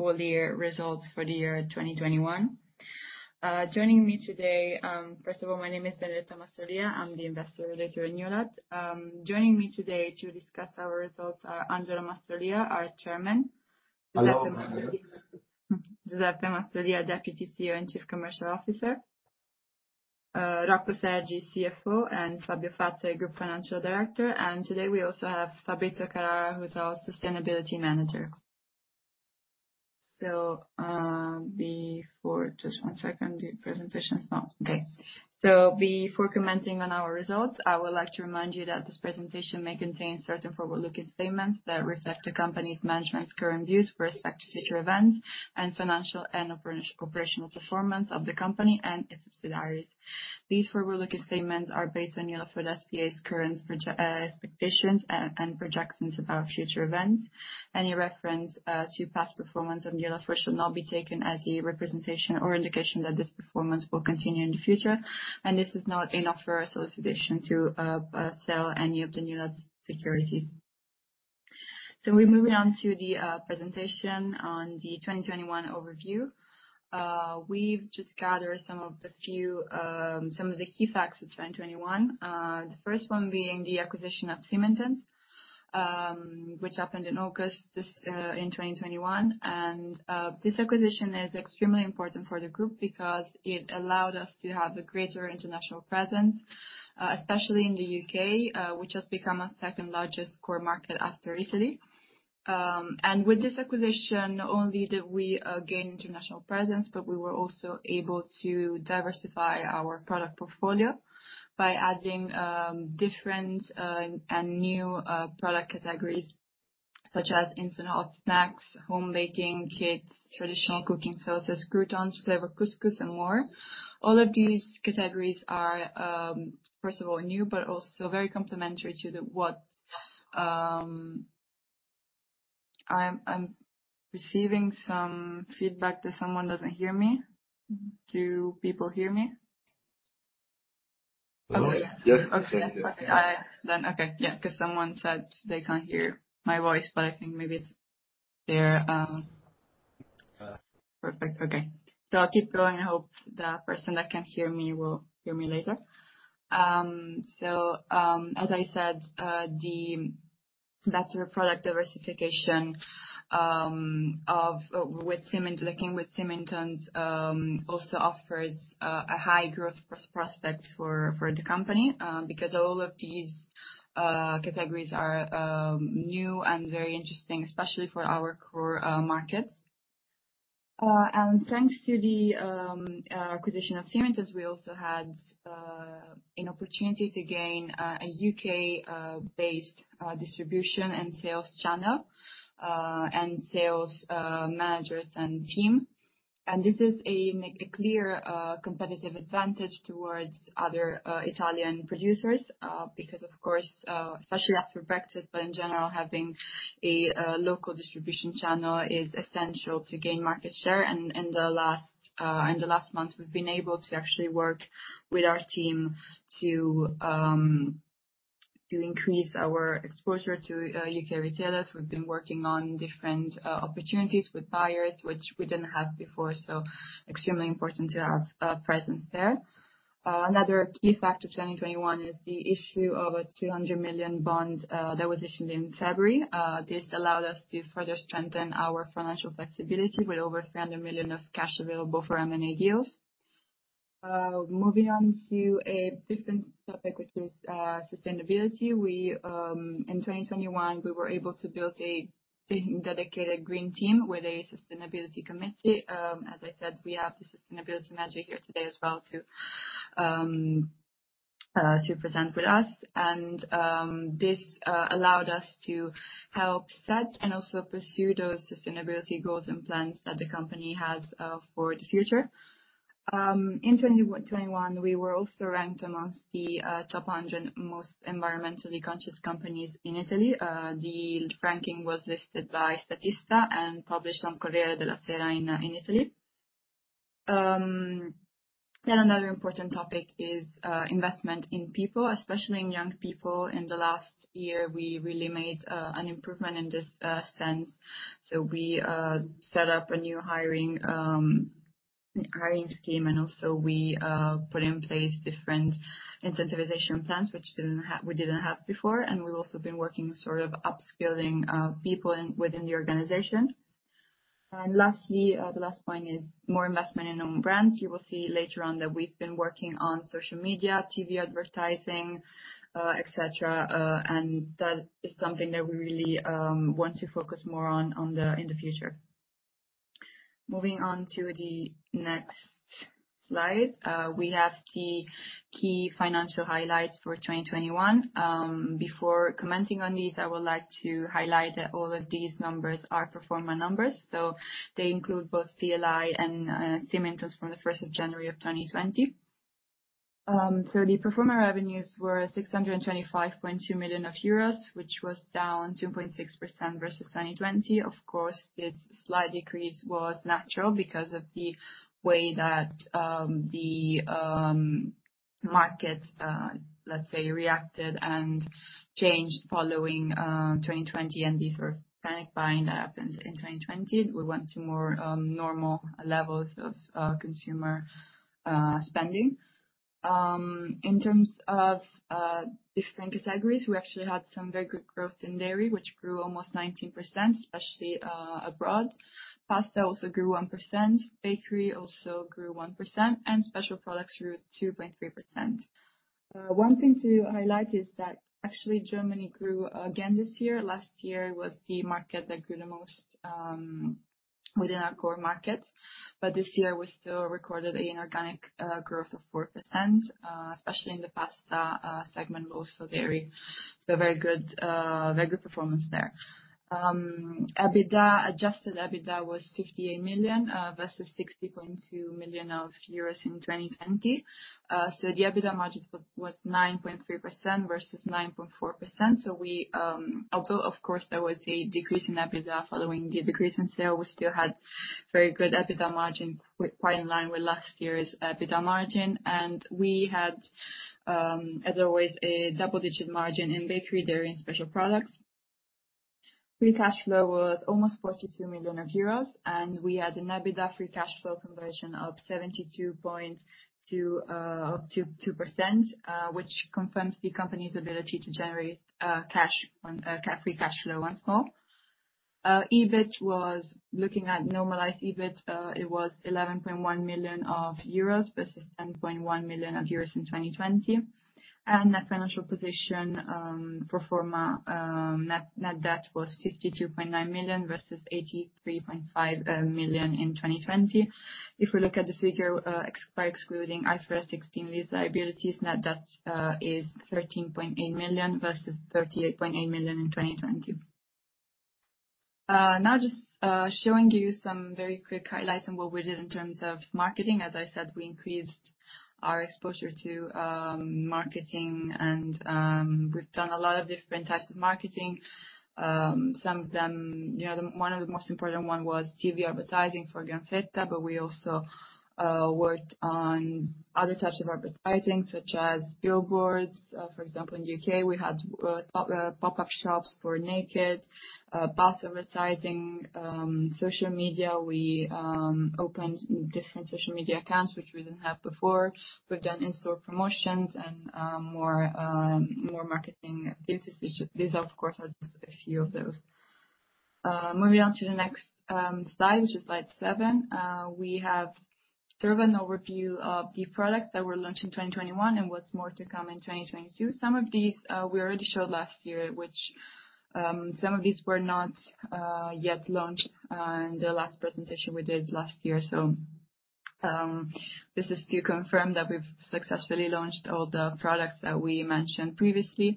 Full year results for the year 2021. Joining me today, first of all, my name is Benedetta Mastrolia. I'm the investor relations in Newlat. Joining me today to discuss our results are Angelo Mastrolia, our Chairman. Hello. Giuseppe Mastrolia, Deputy CEO and Chief Commercial Officer, Rocco Sergi, CFO, and Fabio Fazzari, Group Financial Director. Today we also have Fabrizio Carrara, who's our sustainability manager. Before commenting on our results, I would like to remind you that this presentation may contain certain forward-looking statements that reflect the company's management's current views with respect to future events and financial and operational performance of the company and its subsidiaries. These forward-looking statements are based on Newlat Food SpA's current expectations and projections about future events. Any reference to past performance of Newlat Food should not be taken as a representation or indication that this performance will continue in the future. This is not an offer or solicitation to sell any of the Newlat's securities. We're moving on to the presentation on the 2021 overview. We've just gathered some of the key facts of 2021. The first one being the acquisition of Symingtons, which happened in August this in 2021. This acquisition is extremely important for the group because it allowed us to have a greater international presence, especially in the U.K., which has become our second-largest core market after Italy. With this acquisition, not only did we gain international presence, but we were also able to diversify our product portfolio by adding different and new product categories such as instant hot snacks, home baking kits, traditional cooking sauces, croutons, flavored couscous and more. All of these categories are first of all new, but also very complementary to the what. I'm receiving some feedback that someone doesn't hear me. Do people hear me? Hello. Yes. Okay. Yeah, 'cause someone said they can't hear my voice, but I think maybe it's their. Perfect. Okay. I'll keep going. I hope the person that can't hear me will hear me later. As I said, the better product diversification that came with Symingtons also offers a high growth prospect for the company, because all of these categories are new and very interesting, especially for our core markets. Thanks to the acquisition of Symingtons, we also had an opportunity to gain a U.K.-based distribution and sales channel and sales managers and team. This is a clear competitive advantage towards other Italian producers, because of course, especially after Brexit, but in general, having a local distribution channel is essential to gain market share. In the last month, we've been able to actually work with our team to increase our exposure to U.K. retailers. We've been working on different opportunities with buyers which we didn't have before. Extremely important to have presence there. Another key factor of 2021 is the issue of a 200 million bond that was issued in February. This allowed us to further strengthen our financial flexibility with over 300 million of cash available for M&A deals. Moving on to a different topic, which is sustainability. We in 2021 were able to build a big dedicated green team with a sustainability committee. As I said, we have the sustainability manager here today as well to present with us. This allowed us to help set and also pursue those sustainability goals and plans that the company has for the future. In 2021, we were also ranked among the top 100 most environmentally conscious companies in Italy. The ranking was listed by Statista and published on Corriere della Sera in Italy. Another important topic is investment in people, especially in young people. In the last year, we really made an improvement in this sense. We set up a new hiring scheme, and also we put in place different incentivization plans which we didn't have before. We've also been working sort of upskilling people within the organization. Lastly, the last point is more investment in own brands. You will see later on that we've been working on social media, TV advertising, et cetera. That is something that we really want to focus more on in the future. Moving on to the next slide. We have the key financial highlights for 2021. Before commenting on these, I would like to highlight that all of these numbers are pro forma numbers. They include both CLI and Symingtons from the first of January of 2020. The pro forma revenues were 625.2 million euros, which was down 2.6% versus 2020. Of course, this slight decrease was natural because of the way that the market, let's say, reacted and changed following 2020 and the sort of panic buying that happened in 2020. We went to more normal levels of consumer spending. In terms of different categories, we actually had some very good growth in dairy, which grew almost 19%, especially abroad. Pasta also grew 1%, bakery also grew 1%, and special products grew 2.3%. One thing to highlight is that actually Germany grew again this year. Last year, it was the market that grew the most within our core market. This year, we still recorded an organic growth of 4%, especially in the pasta segment, but also a very good performance there. EBITDA, Adjusted EBITDA was 58 million versus 60.2 million euros in 2020. The EBITDA margin was 9.3% versus 9.4%. We, although of course, there was a decrease in Adjusted EBITDA following the decrease in sales, we still had very good EBITDA margin with quite in line with last year's EBITDA margin. We had, as always, a double-digit margin in bakery, dairy, and special products. Free cash flow was almost 42 million euros, and we had an Adjusted EBITDA free cash flow conversion of 72.2%, which confirms the company's ability to generate cash on free cash flow once more. Looking at normalized EBIT, it was 11.1 million euros versus 10.1 million euros in 2020. Net financial position, pro forma, net debt was 52.9 million versus 83.5 million in 2020. If we look at the figure, by excluding IFRS 16 liabilities, net debt is 13.8 million versus 38.8 million in 2020. Now just showing you some very quick highlights on what we did in terms of marketing. As I said, we increased our exposure to marketing and we've done a lot of different types of marketing. Some of them, you know, one of the most important one was TV advertising for Granfetta, but we also worked on other types of advertising, such as billboards. For example, in U.K., we had pop-up shops for Naked, bus advertising, social media. We opened different social media accounts which we didn't have before. We've done in-store promotions and more marketing. These are of course just a few of those. Moving on to the next slide, which is slide seven. We have sort of an overview of the products that were launched in 2021 and what's more to come in 2022. Some of these we already showed last year, which some of these were not yet launched in the last presentation we did last year. This is to confirm that we've successfully launched all the products that we mentioned previously.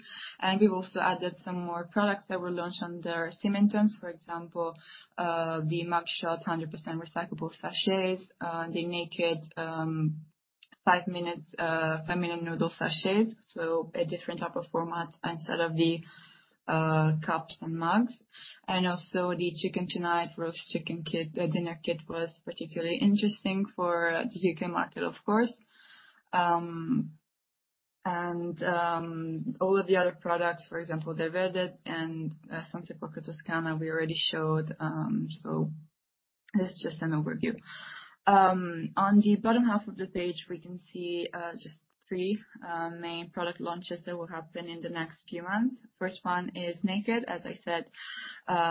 We've also added some more products that were launched under Symingtons. For example, the Mug Shot 100% recyclable sachets, the Naked five-minute noodle sachets. A different type of format instead of the cups and mugs. Also, the Chicken Tonight roast chicken kit, dinner kit was particularly interesting for the U.K. market, of course. All of the other products, for example, Delverde and Santo Poco Toscana, we already showed. This is just an overview. On the bottom half of the page, we can see just three main product launches that will happen in the next few months. First one is Naked. As I said,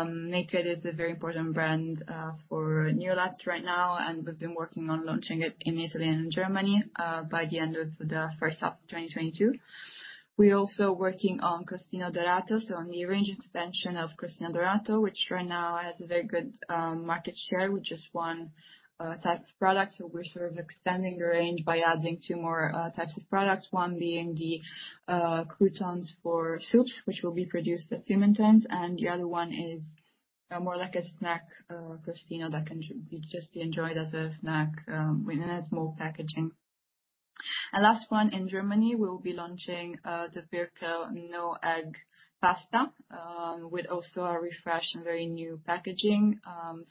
Naked is a very important brand for Newlat right now, and we've been working on launching it in Italy and Germany by the end of the first half of 2022. We're also working on Crostino Dorato, so on the range extension of Crostino Dorato, which right now has a very good market share with just one type of product. We're sort of extending the range by adding two more types of products. One being the croutons for soups, which will be produced at Symingtons, and the other one is more like a snack, Crostino that can be just enjoyed as a snack, within a small packaging. Last one, in Germany, we'll be launching the Birkel no egg pasta, with also a refresh and very new packaging.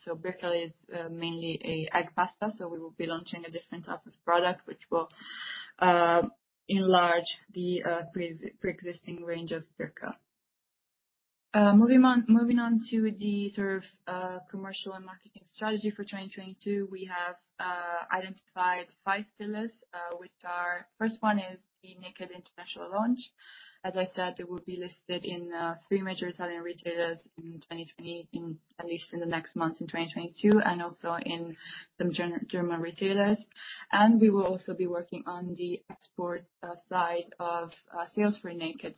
Birkel is mainly an egg pasta, so we will be launching a different type of product, which will enlarge the pre-existing range of Birkel. Moving on to the sort of commercial and marketing strategy for 2022. We have identified five pillars, which are. First one is the Naked international launch. As I said, it will be listed in three major Italian retailers in 2020, at least in the next months in 2022, and also in some German retailers. We will also be working on the export side of sales for Naked.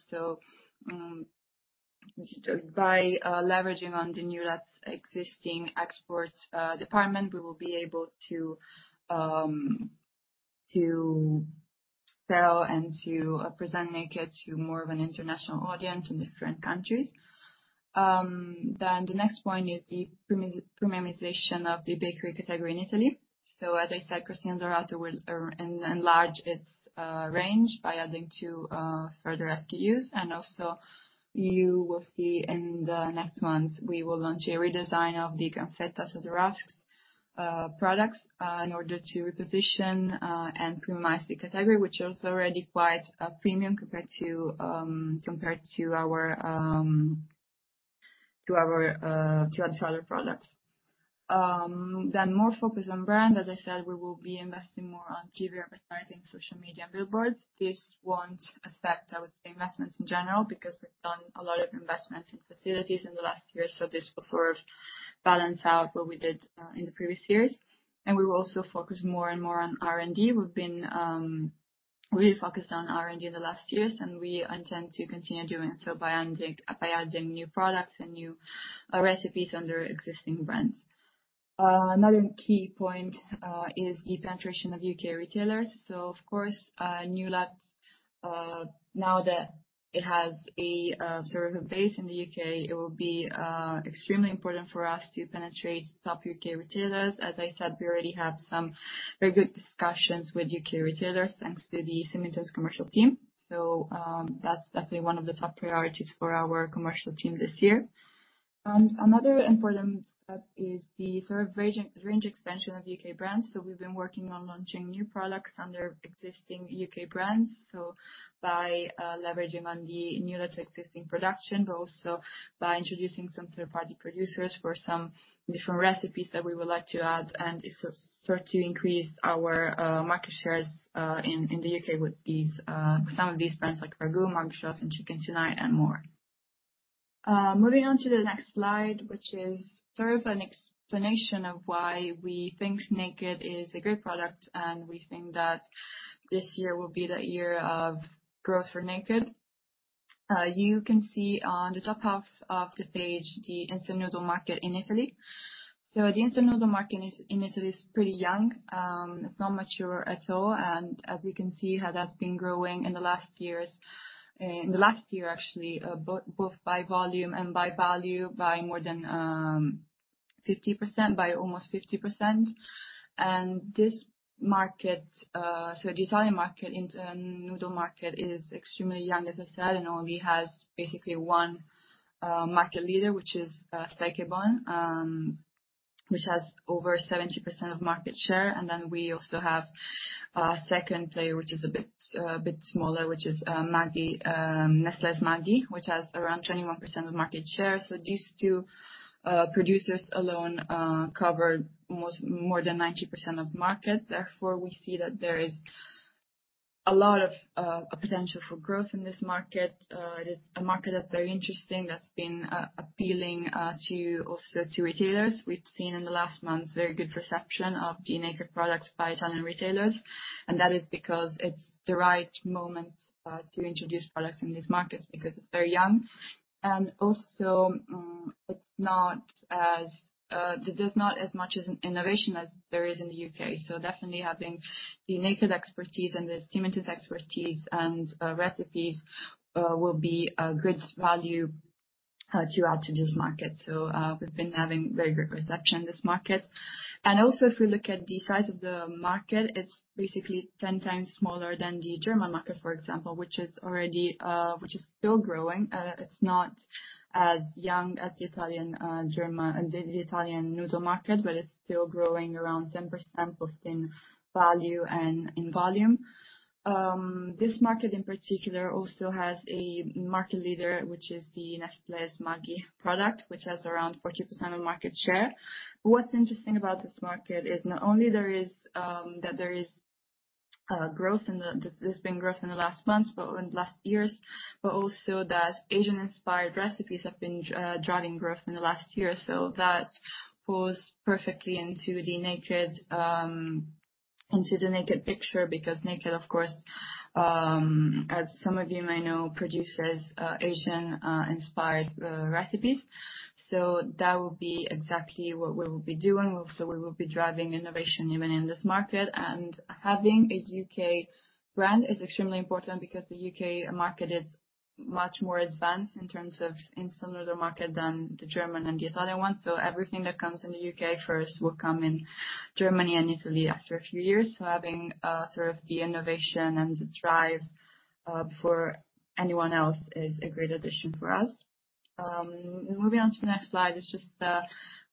By leveraging on the Newlat's existing export department, we will be able to sell and present Naked to more of an international audience in different countries. The next point is the premiumization of the bakery category in Italy. As I said, Crostino Dorato will enlarge its range by adding two further SKUs. Also, you will see in the next months, we will launch a redesign of the Granfetta cedrafs products in order to reposition and premiumize the category, which is already quite premium compared to our other products. Then more focus on brand. As I said, we will be investing more on TV advertising, social media, and billboards. This won't affect our investments in general because we've done a lot of investments in facilities in the last year, so this will sort of balance out what we did in the previous years. We will also focus more and more on R&D. We've been really focused on R&D in the last years, and we intend to continue doing so by adding new products and new recipes under existing brands. Another key point is the penetration of U.K. retailers. Of course, Newlat, now that it has a sort of a base in the U.K., it will be extremely important for us to penetrate top U.K. retailers. As I said, we already have some very good discussions with U.K. retailers, thanks to the Symington's commercial team. That's definitely one of the top priorities for our commercial team this year. Another important step is the sort of range extension of U.K. brands. We've been working on launching new products under existing U.K. brands. By leveraging on the Newlat's existing production, but also by introducing some third-party producers for some different recipes that we would like to add, and it's sort of to increase our market shares in the U.K. with these some of these brands like Ragù, Mug Shot, and Chicken Tonight, and more. Moving on to the next slide, which is sort of an explanation of why we think Naked is a great product, and we think that this year will be the year of growth for Naked. You can see on the top half of the page, the instant noodle market in Italy. The instant noodle market in Italy is pretty young. It's not mature at all, and as you can see how that's been growing in the last years. In the last year, both by volume and by value, by more than 50%. By almost 50%. This market, the Italian market, noodle market is extremely young, as I said, and only has basically one market leader, which is Saikebon, which has over 70% of market share. Then we also have a second player, which is a bit smaller, which is Maggi, Nestlé's Maggi, which has around 21% of market share. These two producers alone cover almost more than 90% of the market. Therefore, we see that there is a lot of potential for growth in this market. It is a market that's very interesting, that's been appealing to retailers. We've seen in the last months very good reception of the Naked products by Italian retailers. That is because it's the right moment to introduce products in these markets because it's very young. Also, it's not as there's not as much innovation as there is in the U.K. Definitely having the Naked expertise and the Symington's expertise and recipes will be a good value to add to this market. We've been having very good reception in this market. Also, if we look at the size of the market, it's basically 10 times smaller than the German market, for example, which is already which is still growing. It's not as young as the Italian the the Italian noodle market, but it's still growing around 10% both in value and in volume. This market, in particular, also has a market leader, which is the Nestlé's Maggi product, which has around 40% of market share. What's interesting about this market is not only there is growth in the last years, but also that Asian-inspired recipes have been driving growth in the last year. That falls perfectly into the Naked picture, because Naked, of course, as some of you may know, produces Asian inspired recipes. That will be exactly what we will be doing. Also, we will be driving innovation even in this market. Having a U.K. brand is extremely important because the U.K. market is much more advanced in terms of instant noodle market than the German and the Italian ones. Everything that comes in the U.K. first will come in Germany and Italy after a few years. Having sort of the innovation and the drive before anyone else is a great addition for us. Moving on to the next slide, it's just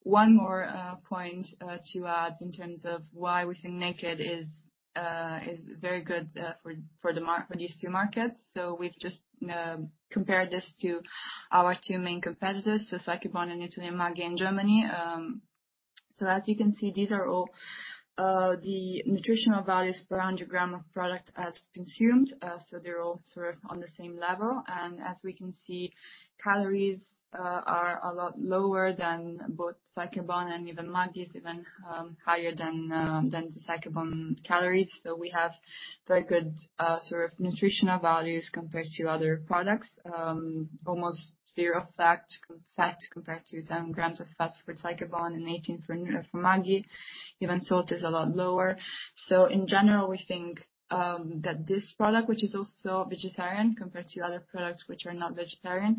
one more point to add in terms of why we think Naked is very good for these two markets. We've just compared this to our two main competitors, so Saikebon in Italy and Maggi in Germany. As you can see, these are all the nutritional values per 100g of product as consumed. They're all sort of on the same level. As we can see, calories are a lot lower than both Saikebon and even Maggi, which is even higher than the Saikebon calories. We have very good sort of nutritional values compared to other products. Almost zero fat compared to 10g of fat for Saikebon and 18 for Maggi. Even salt is a lot lower. In general, we think that this product, which is also vegetarian compared to other products which are not vegetarian,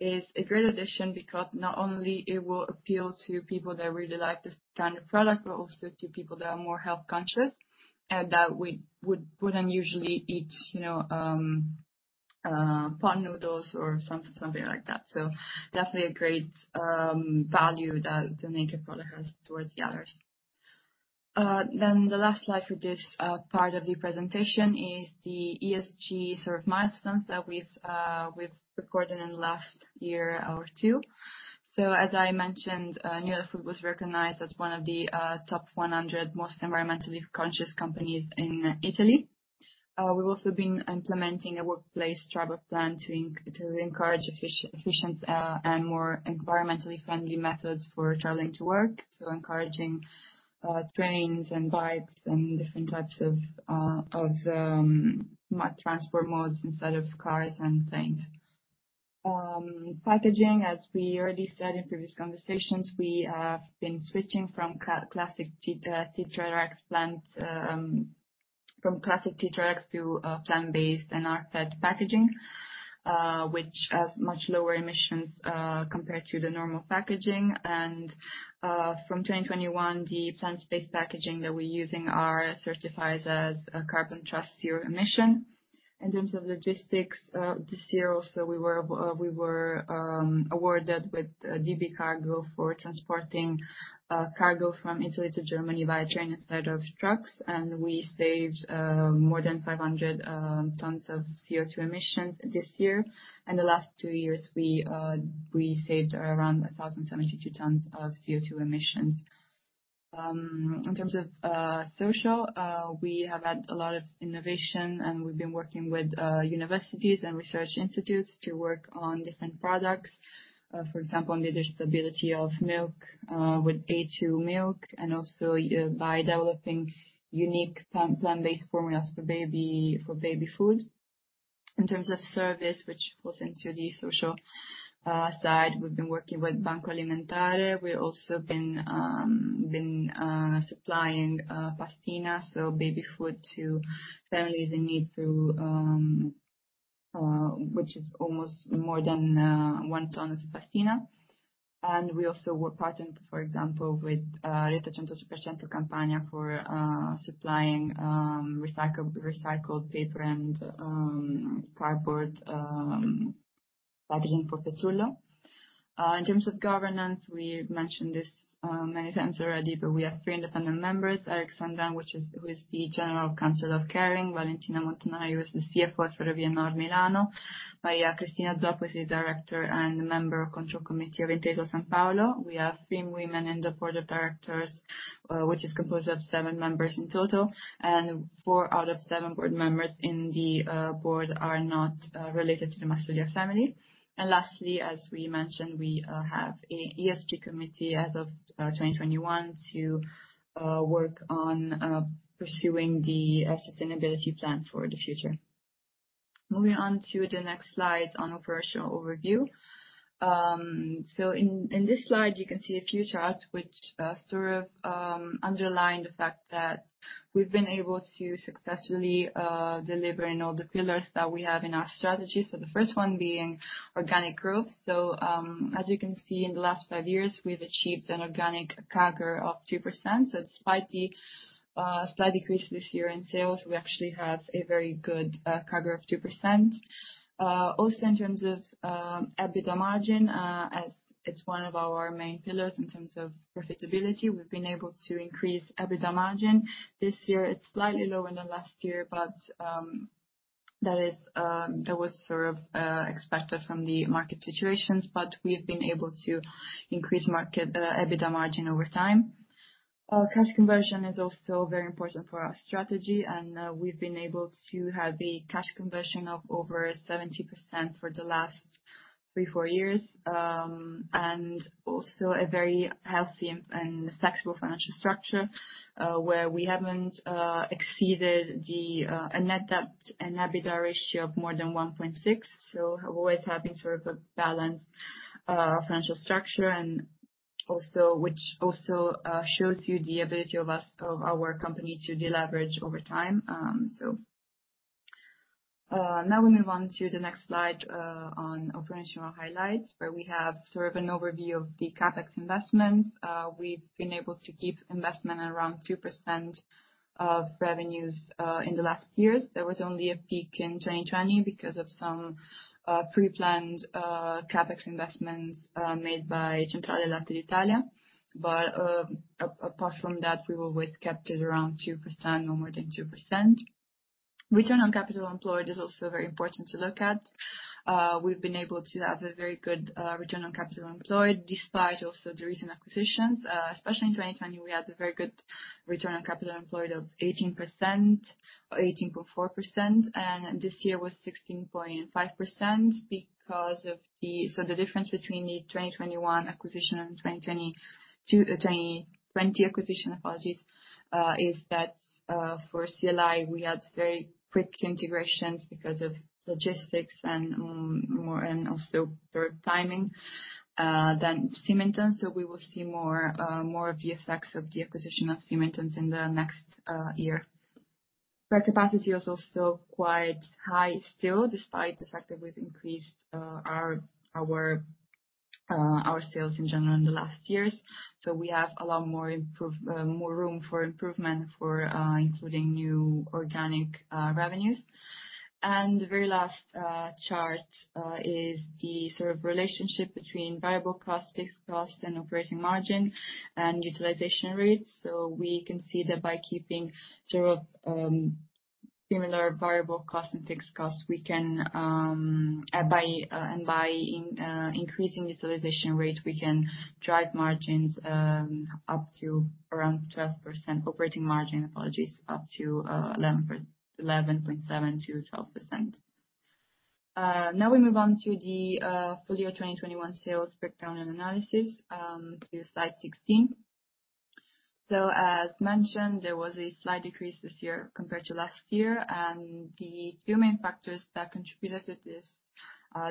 is a great addition because not only it will appeal to people that really like this kind of product, but also to people that are more health-conscious and that we wouldn't usually eat, you know, pot noodles or something like that. Definitely a great value that the Naked product has towards the others. Then the last slide for this part of the presentation is the ESG milestones that we've recorded in the last year or two. As I mentioned, Newlat Food was recognized as one of the top 100 most environmentally conscious companies in Italy. We've also been implementing a workplace travel plan to encourage efficient and more environmentally friendly methods for traveling to work. Encouraging trains and bikes and different types of transport modes instead of cars and things. Packaging, as we already said in previous conversations, we have been switching from classic Tetra Rex plant. From classic Tetra Rex to plant-based and Art-Fed packaging, which has much lower emissions compared to the normal packaging. From 2021, the plant-based packaging that we're using are certified as a Carbon Trust zero emission. In terms of logistics, this year also we were awarded with DB Cargo for transporting cargo from Italy to Germany via train instead of trucks. We saved more than 500 tons of CO2 emissions this year. In the last two years, we saved around 1,072 tons of CO2 emissions. In terms of social, we have had a lot of innovation, and we've been working with universities and research institutes to work on different products. For example, on the digestibility of milk, with A2 milk, and also by developing unique plant-based formulas for baby food. In terms of service, which falls into the social side, we've been working with Banco Alimentare. We've also been supplying Pastina, so baby food to families in need through which is almost more than one ton of Pastina. We also were partnered, for example, with Rete Centro Supermercati Campania for supplying recycled paper and cardboard packaging for Pezzullo. In terms of governance, we mentioned this many times already, but we have three independent members. Eric Sandrin, who is the General Counsel of Kering. Valentina Montanari, who is the CFO for Reale Mutua Nord Milano. Maria Cristina Zoppo, the director and member of control committee of Intesa Sanpaolo. We have three women in the board of directors, which is composed of seven members in total. Four out of seven board members in the board are not related to the Mastrolia family. Lastly, as we mentioned, we have an ESG committee as of 2021 to work on pursuing the sustainability plan for the future. Moving on to the next slide on operational overview. In this slide, you can see a few charts which sort of underline the fact that we've been able to successfully deliver in all the pillars that we have in our strategy. The first one being organic growth. As you can see, in the last five years, we've achieved an organic CAGR of 2%. Despite the slight decrease this year in sales, we actually have a very good CAGR of 2%. Also in terms of EBITDA margin, as it's one of our main pillars in terms of profitability, we've been able to increase EBITDA margin. This year it's slightly lower than last year, but that was sort of expected from the market situations. We've been able to increase EBITDA margin over time. Our cash conversion is also very important for our strategy, and we've been able to have a cash conversion of over 70% for the last 3 years-4 years a very healthy and flexible financial structure, where we haven't exceeded a net debt to EBITDA ratio of more than 1.6. Always having sort of a balanced financial structure, which shows you the ability of our company to deleverage over time. Now we move on to the next slide on operational highlights, where we have sort of an overview of the CapEx investments. We've been able to keep investment around 2% of revenues in the last years. There was only a peak in 2020 because of some pre-planned CapEx investments made by Centrale del Latte d'Italia. Apart from that, we've always kept it around 2%, no more than 2%. Return on capital employed is also very important to look at. We've been able to have a very good return on capital employed, despite also the recent acquisitions. Especially in 2020, we had a very good return on capital employed of 18% or 18.4%, and this year was 16.5% because of the difference between the 2021 acquisition and 2020 acquisition, apologies, is that, for CLI, we had very quick integrations because of logistics and more, and also better timing than Symingtons. We will see more of the effects of the acquisition of Symingtons in the next year. Our capacity is also quite high still, despite the fact that we've increased our sales in general in the last years. We have a lot more room for improvement for including new organic revenues. The very last chart is the sort of relationship between variable cost, fixed cost, and operating margin and utilization rates. We can see that by keeping sort of similar variable cost and fixed costs and by increasing utilization rate, we can drive margins up to around 12%. Operating margin, apologies, up to 11.7%-12%. Now we move on to the full year 2021 sales breakdown and analysis to slide 16. As mentioned, there was a slight decrease this year compared to last year. The two main factors that contributed to this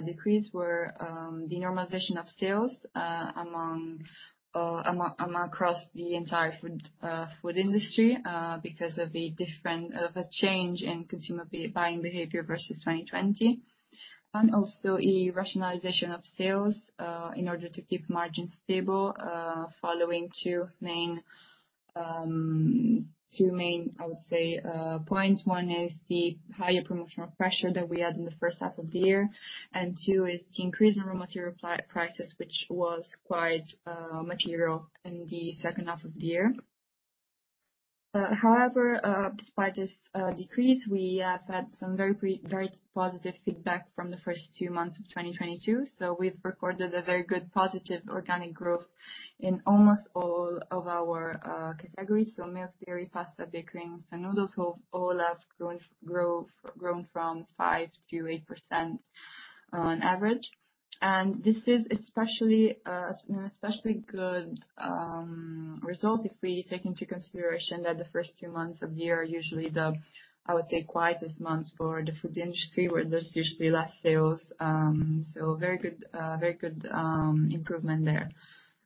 decrease were the normalization of sales across the entire food industry because of a change in consumer buying behavior versus 2020. Also a rationalization of sales in order to keep margins stable following two main points. One is the higher promotional pressure that we had in the first half of the year, and two is the increase in raw material prices, which was quite material in the second half of the year. However, despite this decrease, we have had some very positive feedback from the first two months of 2022. We've recorded a very good positive organic growth in almost all of our categories. Milk, dairy, pasta, bakery, instant noodles have all grown 5%-8% on average. This is especially good result if we take into consideration that the first two months of the year are usually the, I would say, quietest months for the food industry, where there's usually less sales. Very good improvement there.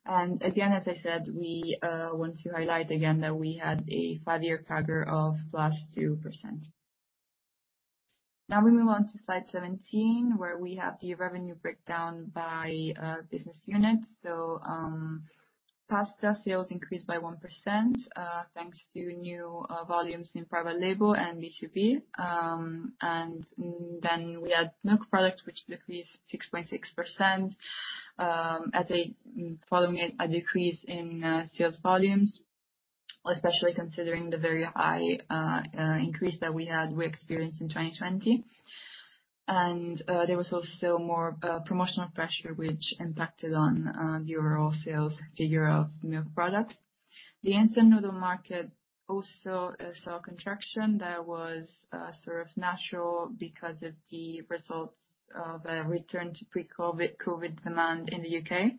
Again, as I said, we want to highlight again that we had a five-year CAGR of +2%. Now we move on to slide 17, where we have the revenue breakdown by business unit. Pasta sales increased by 1%, thanks to new volumes in private label and B2B. We had milk products, which decreased 6.6%, following a decrease in sales volumes, especially considering the very high increase that we experienced in 2020. There was also more promotional pressure, which impacted on the overall sales figure of milk products. The instant noodle market also saw a contraction that was sort of natural because of the results of a return to pre-COVID demand in the U.K..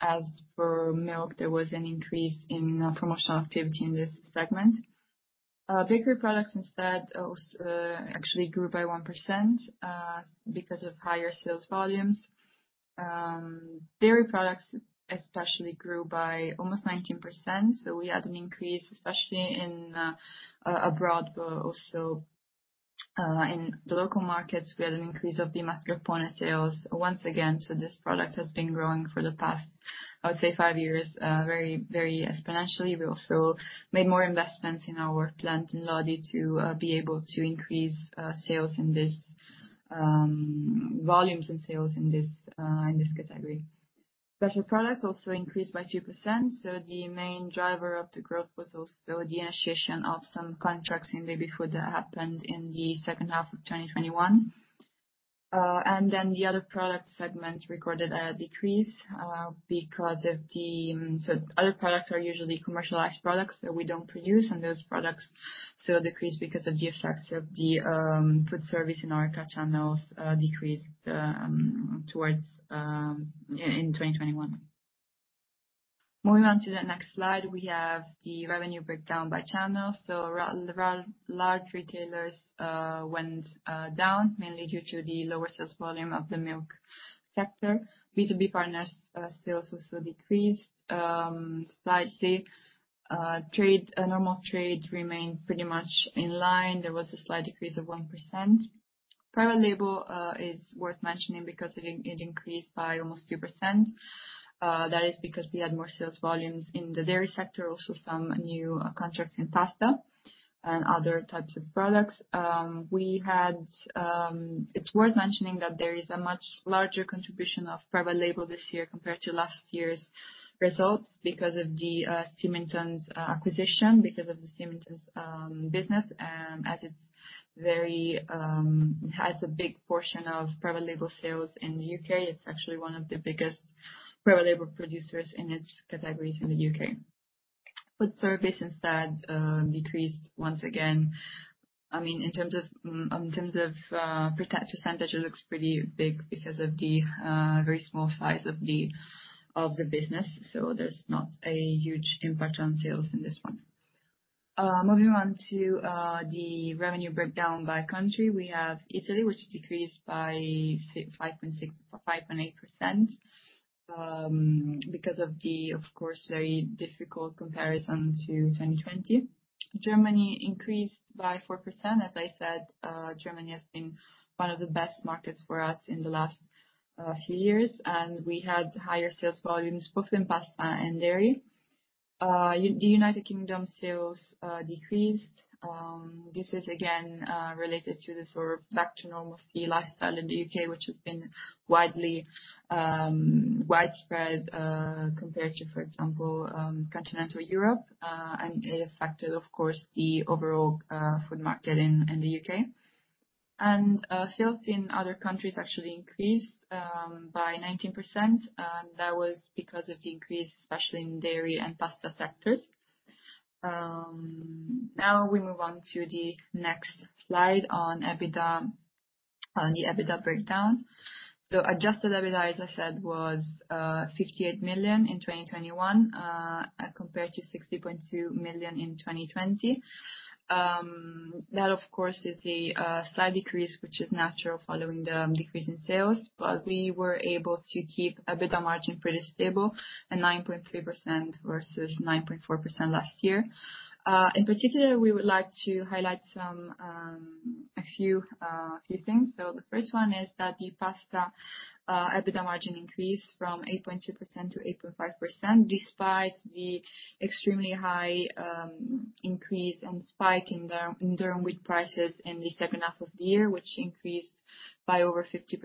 As for milk, there was an increase in promotional activity in this segment. Bakery products instead actually grew by 1%, because of higher sales volumes. Dairy products especially grew by almost 19%, so we had an increase, especially in abroad, but also in the local markets. We had an increase of the mascarpone sales. Once again, this product has been growing for the past five years very exponentially. We also made more investments in our plant in Lodi to be able to increase sales in this volumes and sales in this category. Special products also increased by 2%, so the main driver of the growth was also the initiation of some contracts in baby food that happened in the second half of 2021. The other product segments recorded a decrease because of the Other products are usually commercialized products that we don't produce, and those products saw a decrease because of the effects of the food service in our retail channels decreased in 2021. Moving on to the next slide, we have the revenue breakdown by channel. Large retailers went down, mainly due to the lower sales volume of the milk sector. B2B partners sales also decreased slightly. Traditional trade remained pretty much in line. There was a slight decrease of 1%. Private label is worth mentioning because it increased by almost 2%. That is because we had more sales volumes in the dairy sector, also some new contracts in pasta and other types of products. It's worth mentioning that there is a much larger contribution of private label this year compared to last year's results because of the Symington's acquisition, because of the Symington's business, as it's very. It has a big portion of private label sales in the U.K. It's actually one of the biggest private label producers in its categories in the U.K. Food service instead decreased once again. I mean, in terms of percentage, it looks pretty big because of the very small size of the business, so there's not a huge impact on sales in this one. Moving on to the revenue breakdown by country. We have Italy, which decreased by 5.6%, 5.8% because of course very difficult comparison to 2020. Germany increased by 4%. As I said, Germany has been one of the best markets for us in the last few years, and we had higher sales volumes both in pasta and dairy. The United Kingdom sales decreased. This is again related to the sort of back to normalcy lifestyle in the U.K., which has been widely widespread compared to, for example, continental Europe. It affected, of course, the overall food market in the U.K. Sales in other countries actually increased by 19%, and that was because of the increase, especially in dairy and pasta sectors. Now we move on to the next slide on Adjusted EBITDA, on the Adjusted EBITDA breakdown. Adjusted EBITDA, as I said, was 58 million in 2021 compared to 60.2 million in 2020. That of course is a slight decrease, which is natural following the decrease in sales, but we were able to keep EBITDA margin pretty stable at 9.3% versus 9.4% last year. In particular, we would like to highlight a few things. The first one is that the pasta EBITDA margin increased from 8.2% - 8.5% despite the extremely high increase and spike in durum wheat prices in the second half of the year, which increased by over 50%.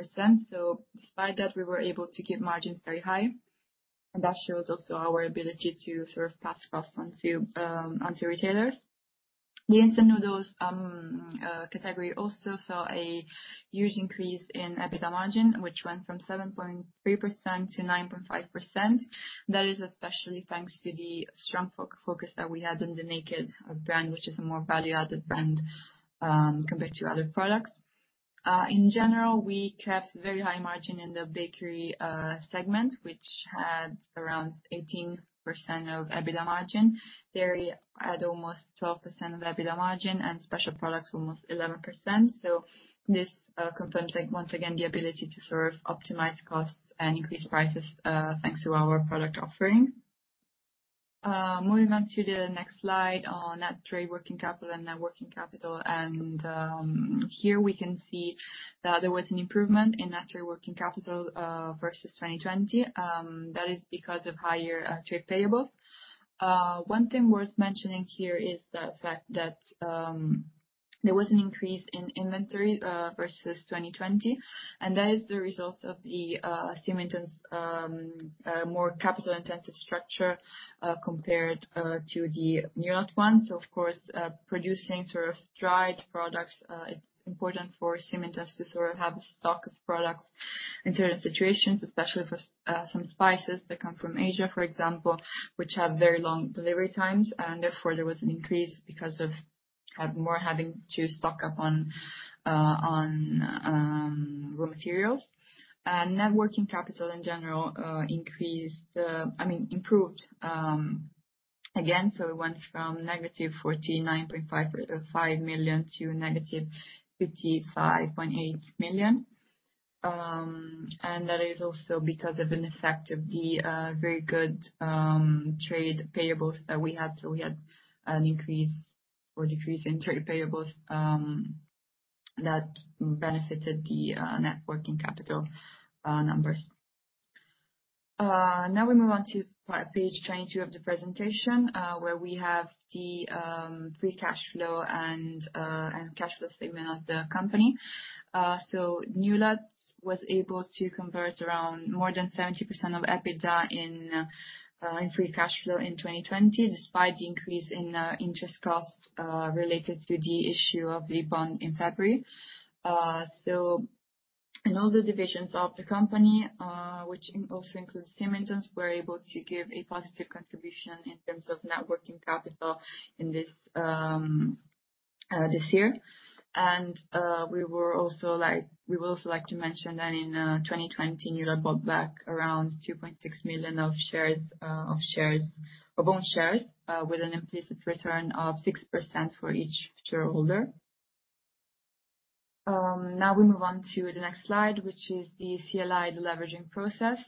Despite that, we were able to keep margins very high, and that shows also our ability to sort of pass costs on to retailers. The instant noodles category also saw a huge increase in EBITDA margin, which went from 7.3% - 9.5%. That is especially thanks to the strong focus that we had on the Naked brand, which is a more value-added brand, compared to other products. In general, we kept very high margin in the bakery segment, which had around 18% of EBITDA margin. Dairy had almost 12% of EBITDA margin and special products almost 11%. This confirms like once again the ability to sort of optimize costs and increase prices, thanks to our product offering. Moving on to the next slide on net trade working capital and net working capital. Here we can see that there was an improvement in net trade working capital versus 2020. That is because of higher trade payables. One thing worth mentioning here is the fact that there was an increase in inventory versus 2020, and that is the result of the Symingtons more capital-intensive structure compared to the Newlat one. Of course, producing sort of dried products, it's important for Symingtons to sort of have a stock of products in certain situations, especially for some spices that come from Asia, for example, which have very long delivery times. Therefore, there was an increase because of more having to stock up on raw materials. Net working capital in general increased. I mean, improved again. It went from -49.55 million to -55.8 million. That is also because of an effect of the very good trade payables that we had. We had an increase or decrease in trade payables that benefited the net working capital numbers. Now we move on to page 22 of the presentation, where we have the free cash flow and cash flow segment of the company. Newlat was able to convert around more than 70% of Adjusted EBITDA in free cash flow in 2020, despite the increase in interest costs related to the issue of the bond in February. All the divisions of the company, which also includes Centrale, were able to give a positive contribution in terms of net working capital in this year. We would also like to mention that in 2020, Newlat bought back around 2.6 million of own shares with an implicit return of 6% for each shareholder. Now we move on to the next slide, which is the CLI deleveraging process,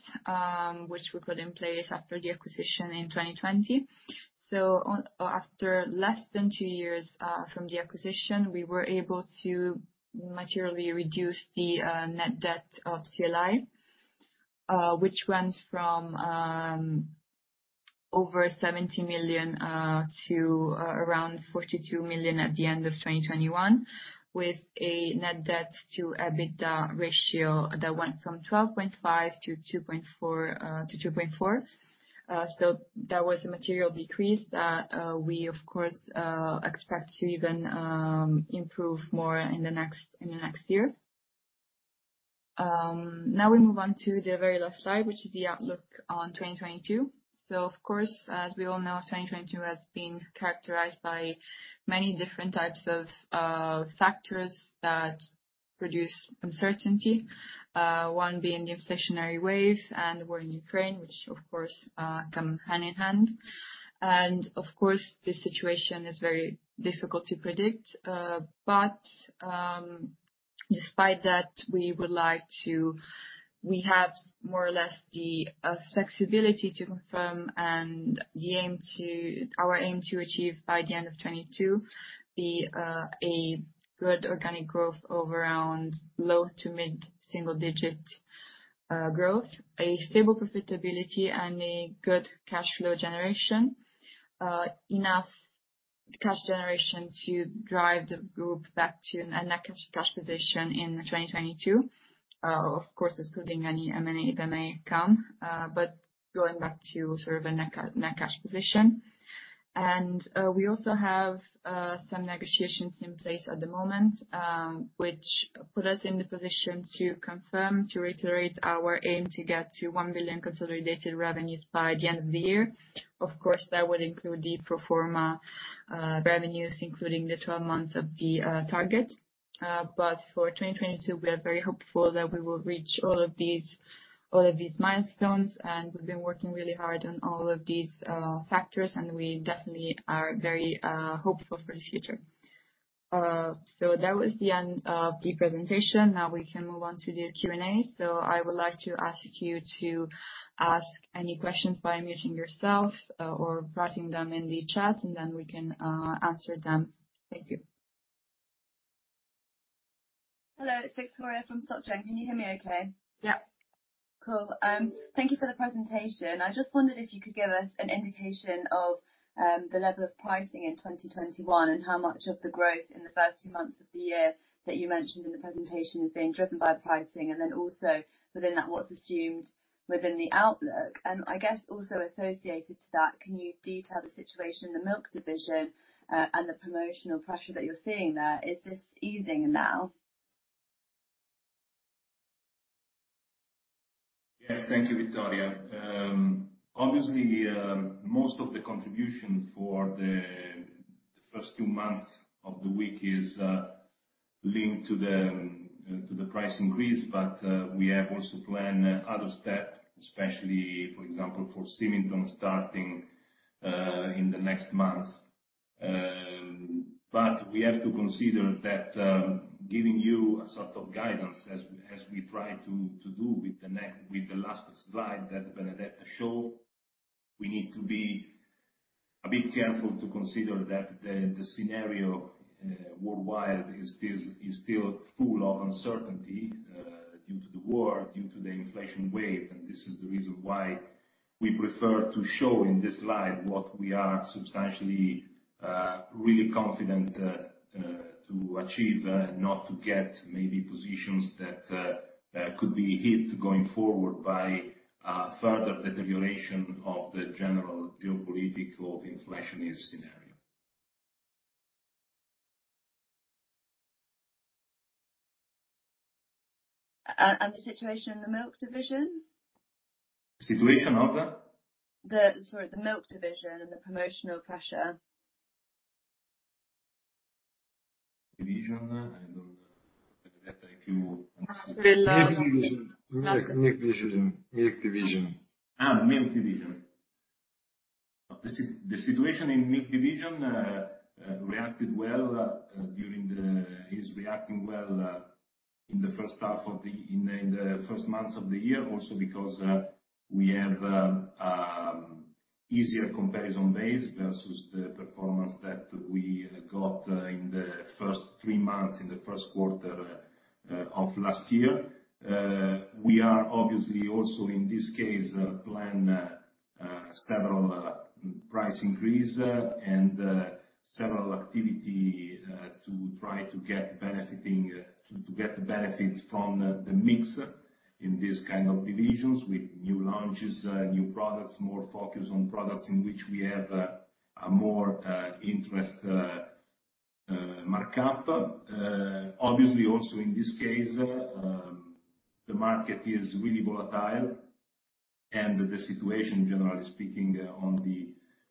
which we put in place after the acquisition in 2020. After less than two years from the acquisition, we were able to materially reduce the net debt of CLI, which went from over 70 million to around 42 million at the end of 2021, with a net debt to EBITDA ratio that went from 12.5 - 2.4. That was a material decrease that we of course expect to even improve more in the next year. Now we move on to the very last slide, which is the outlook on 2022. Of course, as we all know, 2022 has been characterized by many different types of factors that produce uncertainty. One being the inflationary wave and the war in Ukraine, which of course come hand in hand. The situation is very difficult to predict. Despite that, we have more or less the flexibility to confirm and our aim to achieve by the end of 2022 a good organic growth of around low- to mid-single-digit growth, a stable profitability, and a good cash flow generation. Enough cash generation to drive the group back to a net cash position in 2022. Of course, excluding any M&A that may come, but going back to sort of a net cash position. We also have some negotiations in place at the moment, which put us in the position to confirm, to reiterate our aim to get to 1 billion consolidated revenues by the end of the year. Of course, that would include the pro forma revenues, including the 12 months of the target. But for 2022, we are very hopeful that we will reach all of these milestones, and we've been working really hard on all of these factors, and we definitely are very hopeful for the future. That was the end of the presentation. Now we can move on to the Q&A. I would like to ask you to ask any questions by unmuting yourself or writing them in the chat, and then we can answer them. Thank you. Hello, it's Victoria from Sopra. Can you hear me okay? Yeah. Cool. Thank you for the presentation. I just wondered if you could give us an indication of the level of pricing in 2021 and how much of the growth in the first two months of the year that you mentioned in the presentation is being driven by pricing, and then also within that, what's assumed within the outlook. I guess also associated to that, can you detail the situation in the milk division and the promotional pressure that you're seeing there. Is this easing now? Yes, thank you, Victoria. Obviously, most of the contribution for the first two months of the week is linked to the price increase, but we have also planned other step, especially, for example, for Symington starting in the next month. We have to consider that, giving you a sort of guidance as we try to do with the last slide that Benedetta show, we need to be a bit careful to consider that the scenario worldwide is still full of uncertainty due to the war, due to the inflation wave. This is the reason why we prefer to show in this slide what we are substantially really confident to achieve, not to get maybe positions that could be hit going forward by further deterioration of the general geopolitical inflationary scenario. The situation in the milk division? Situation of? Sorry, the milk division and the promotional pressure. Division? Benedetta, if you The, uh Milk division. Milk division. The situation in the milk division is reacting well in the first months of the year also because we have easier comparison base versus the performance that we got in the first three months, in the first quarter of last year. We are obviously also, in this case, planning several price increases and several activities to try to benefit, to get the benefits from the mix in this kind of division with new launches, new products, more focus on products in which we have a more interesting markup. Obviously also in this case, the market is really volatile and the situation generally speaking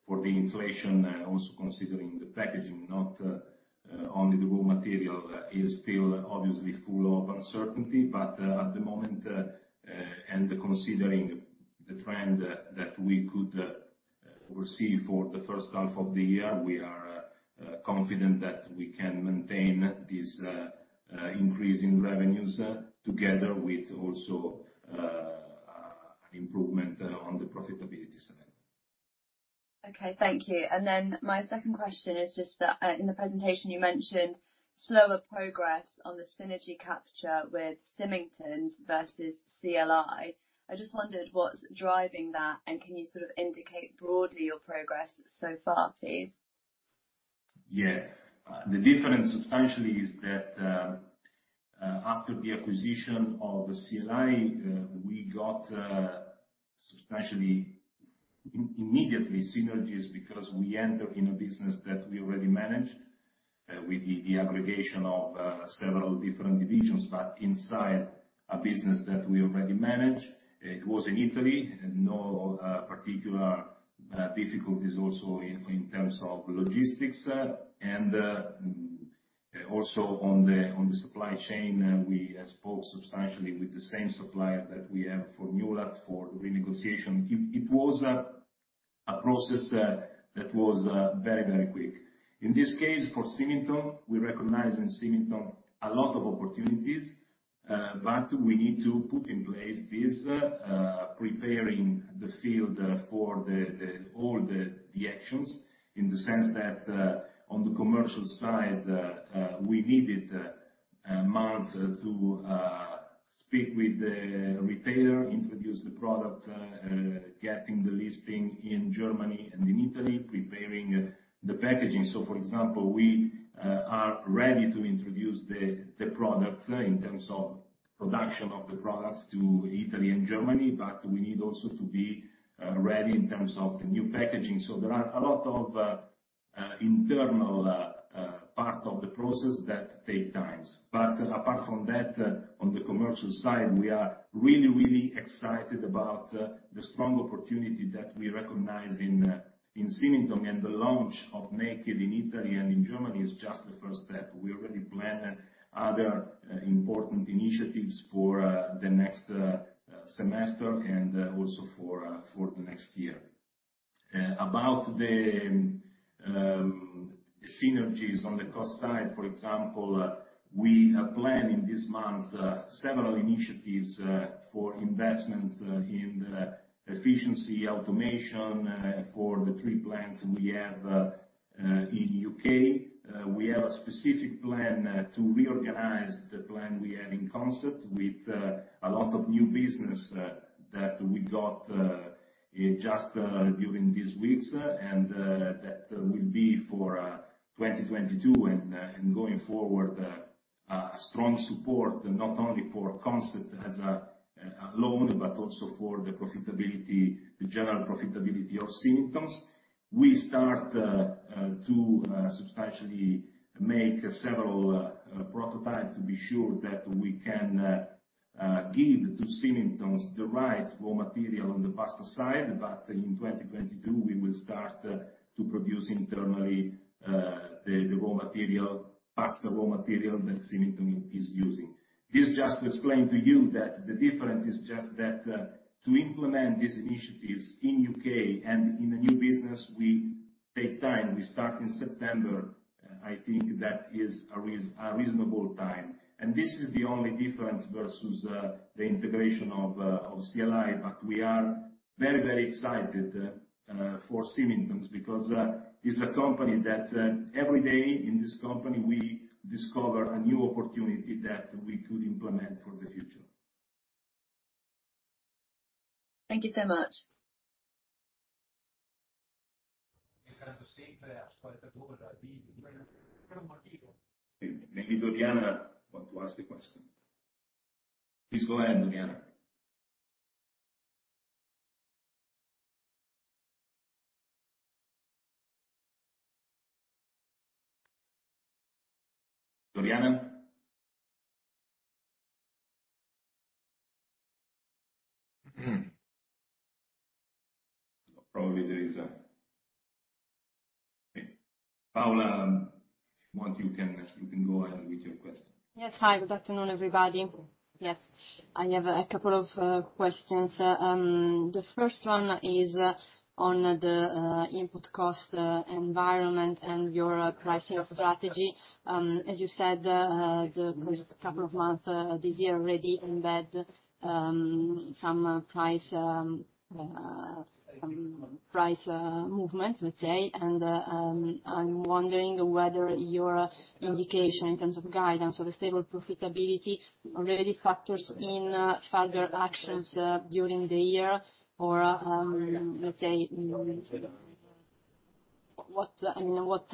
for the inflation, also considering the packaging, not only the raw material, is still obviously full of uncertainty. At the moment, and considering the trend that we could receive for the first half of the year, we are confident that we can maintain this increase in revenues together with also improvement on the profitability side. Okay. Thank you. My second question is just that, in the presentation you mentioned slower progress on the synergy capture with Symington versus CLI. I just wondered what's driving that, and can you sort of indicate broadly your progress so far, please? Yeah. The difference substantially is that, after the acquisition of the CLI, we got substantially immediately synergies because we entered in a business that we already managed with the aggregation of several different divisions, but inside a business that we already manage. It was in Italy, no particular difficulties also in terms of logistics. Also on the supply chain, we spoke substantially with the same supplier that we have for Newlat for renegotiation. It was a process that was very, very quick. In this case, for Symington, we recognize in Symington a lot of opportunities, but we need to put in place this, preparing the field for the actions in the sense that, on the commercial side, we needed months to speak with the retailer, introduce the product, getting the listing in Germany and in Italy, preparing the packaging. For example, we are ready to introduce the product in terms of production of the products to Italy and Germany, but we need also to be ready in terms of the new packaging. There are a lot of internal part of the process that take times. Apart from that, on the commercial side, we are really, really excited about the strong opportunity that we recognize in Symingtons and the launch of Naked in Italy and in Germany is just the first step. We already plan other important initiatives for the next semester and also for the next year. About the synergies on the cost side, for example, we are planning this month several initiatives for investment in the efficiency automation for the three plants we have in U.K. We have a specific plan to reorganize the plan we have in Consett with a lot of new business that we got just during these weeks, and that will be for 2022 and going forward, a strong support, not only for Consett alone, but also for the profitability, the general profitability of Symingtons. We start to substantially make several prototypes to be sure that we can give to Symingtons the right raw material on the pasta side. In 2022, we will start to produce internally the raw material, pasta raw material that Symingtons is using. This just to explain to you that the difference is just that to implement these initiatives in U.K. and in a new business, we take time. We start in September. I think that is a reasonable time. This is the only difference versus the integration of CLI, but we are very, very excited for Symington because it's a company that every day in this company, we discover a new opportunity that we could implement for the future. Thank you so much. Maybe Doriana want to ask a question. Please go ahead, Doriana. Doriana? Probably there is. Okay. Paola, once you can, you can go ahead with your question. Yes. Hi, good afternoon, everybody. Yes. I have a couple of questions. The first one is on the input cost environment and your pricing strategy. As you said, the first couple of months this year already embed some price movement, let's say. I'm wondering whether your indication in terms of guidance or the stable profitability already factors in further actions during the year or, let's say, what I mean, what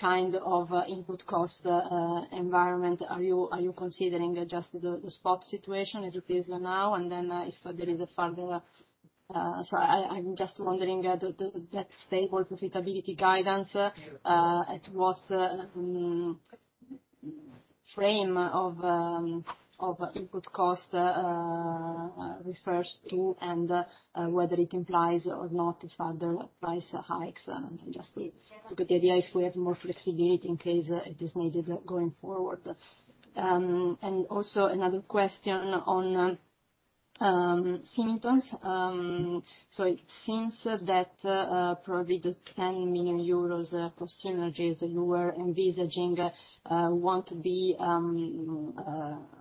kind of input cost environment are you considering just the spot situation as it is now? And then if there is a further. So I'm just wondering that stable profitability guidance, at what frame of input cost refers to and whether it implies or not if other price hikes. Just to get the idea if we have more flexibility in case it is needed going forward. Another question on Symingtons. It seems that probably the 10 million euros cost synergies you were envisaging won't be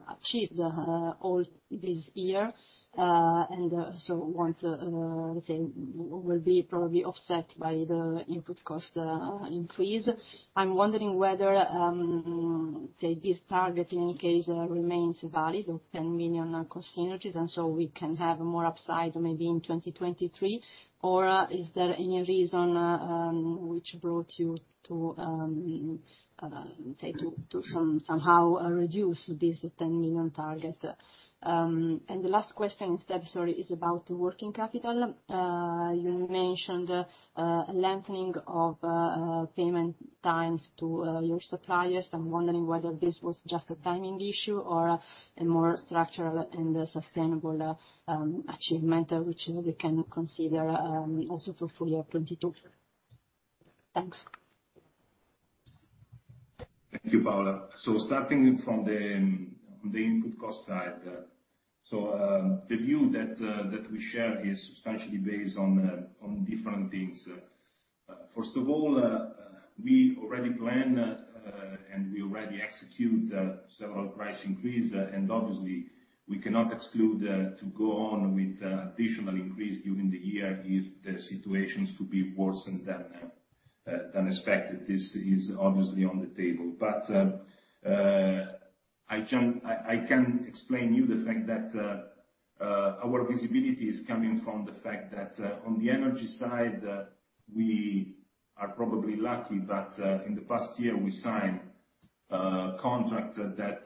achieved all this year. They will be probably offset by the input cost increase. I'm wondering whether this target remains valid of 10 million cost synergies, and we can have more upside maybe in 2023. Or is there any reason which brought you to somehow reduce this 10 million target? The last question instead, sorry, is about working capital. You mentioned a lengthening of payment times to your suppliers. I'm wondering whether this was just a timing issue or a more structural and sustainable achievement which we can consider also for full year 2022. Thanks. Thank you, Paola. Starting from the input cost side. The view that we share is substantially based on different things. First of all, we already plan and we already execute several price increase, and obviously, we cannot exclude to go on with additional increase during the year if the situations could be worsened than expected. This is obviously on the table. But I can explain to you the fact that our visibility is coming from the fact that, on the energy side, we are probably lucky that in the past year we signed contract that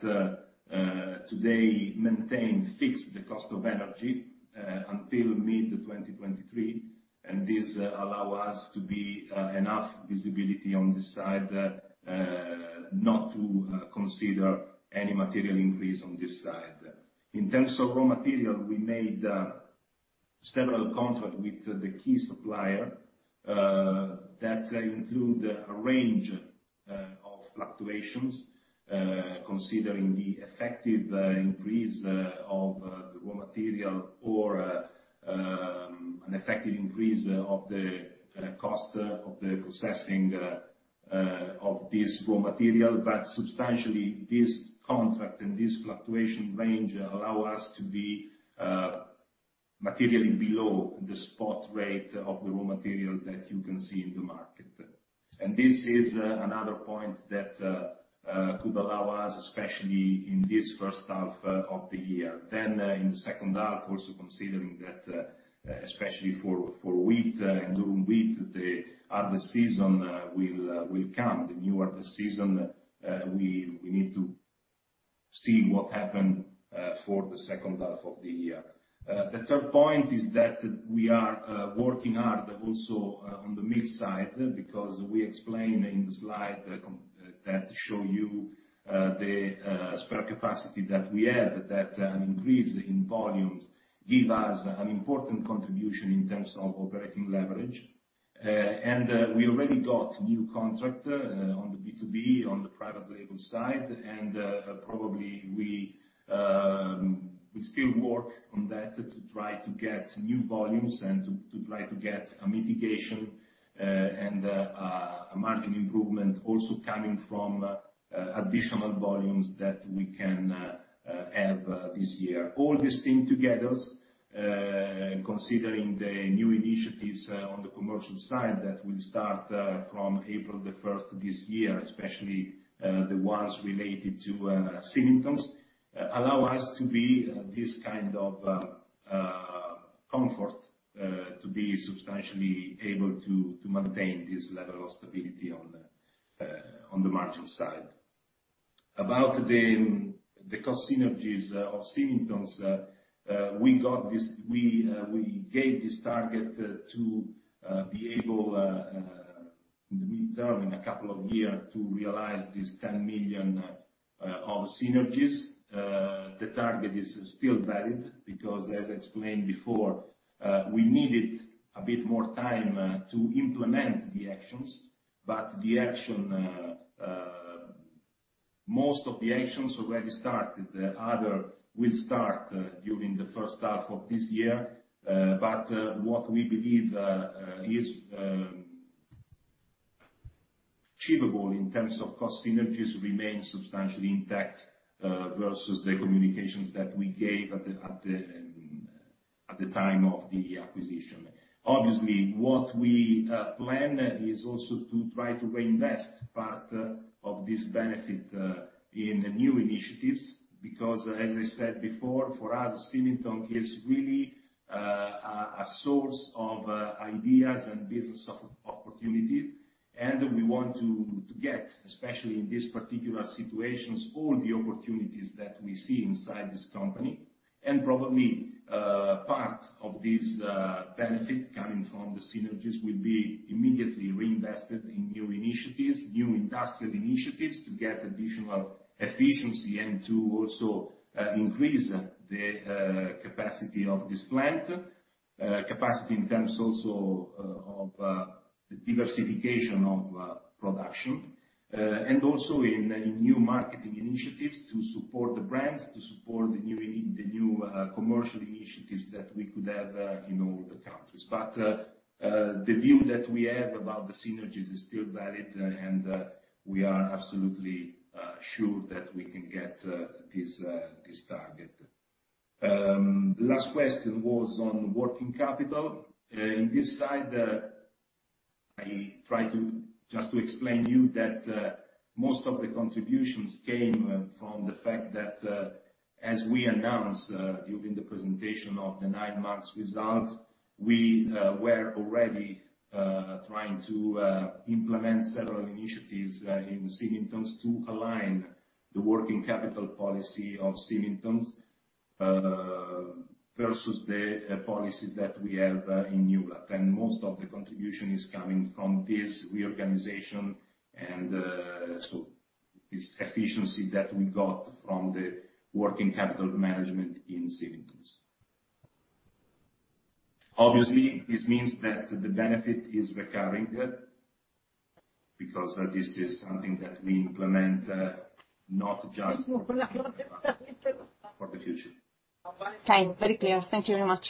today maintain, fix the cost of energy until mid-2023. This allows us to be enough visibility on this side, not to consider any material increase on this side. In terms of raw material, we made several contracts with the key supplier that include a range of fluctuations considering the effective increase of the raw material or an effective increase of the cost of the processing of this raw material. But substantially, this contract and this fluctuation range allow us to be materially below the spot rate of the raw material that you can see in the market. This is another point that could allow us, especially in this first half of the year. In the second half, also considering that, especially for wheat and durum wheat, the other season will come. The new year, we need to see what happen for the second half of the year. The third point is that we are working hard also on the mix side, because we explained in the slide that show you the spare capacity that we had, that an increase in volumes give us an important contribution in terms of operating leverage. We already got new contract on the B2B, on the private label side. Probably we still work on that to try to get new volumes and to try to get a mitigation and a margin improvement also coming from additional volumes that we can have this year. All this thing together, considering the new initiatives on the commercial side that will start from April 1 this year, especially the ones related to Symingtons, allow us to be this kind of comfort to be substantially able to maintain this level of stability on the margin side. About the cost synergies of Symingtons, we gave this target to be able in the midterm, in a couple of year to realize 10 million of synergies. The target is still valid because as explained before, we needed a bit more time to implement the actions. Most of the actions already started. The other will start during the first half of this year. What we believe is achievable in terms of cost synergies remain substantially intact versus the communications that we gave at the time of the acquisition. Obviously, what we plan is also to try to reinvest part of this benefit in new initiatives, because as I said before, for us, Symingtons is really a source of ideas and business opportunities. We want to get, especially in these particular situations, all the opportunities that we see inside this company. Probably, part of this benefit coming from the synergies will be immediately reinvested in new initiatives, new industrial initiatives to get additional efficiency and to also increase the capacity of this plant, capacity in terms also of the diversification of production. Also in new marketing initiatives to support the brands, to support the new commercial initiatives that we could have in all the countries. The view that we have about the synergies is still valid, and we are absolutely sure that we can get this target. The last question was on working capital. In this side, I try to just explain to you that most of the contributions came from the fact that, as we announced, during the presentation of the nine months result, we were already trying to implement several initiatives in Symingtons to align the working capital policy of Symingtons versus the policy that we have in Newlat. Most of the contribution is coming from this reorganization and this efficiency that we got from the working capital management in Symingtons. Obviously, this means that the benefit is recurring, because this is something that we implement, not just for this year, but for the future. Okay. Very clear. Thank you very much.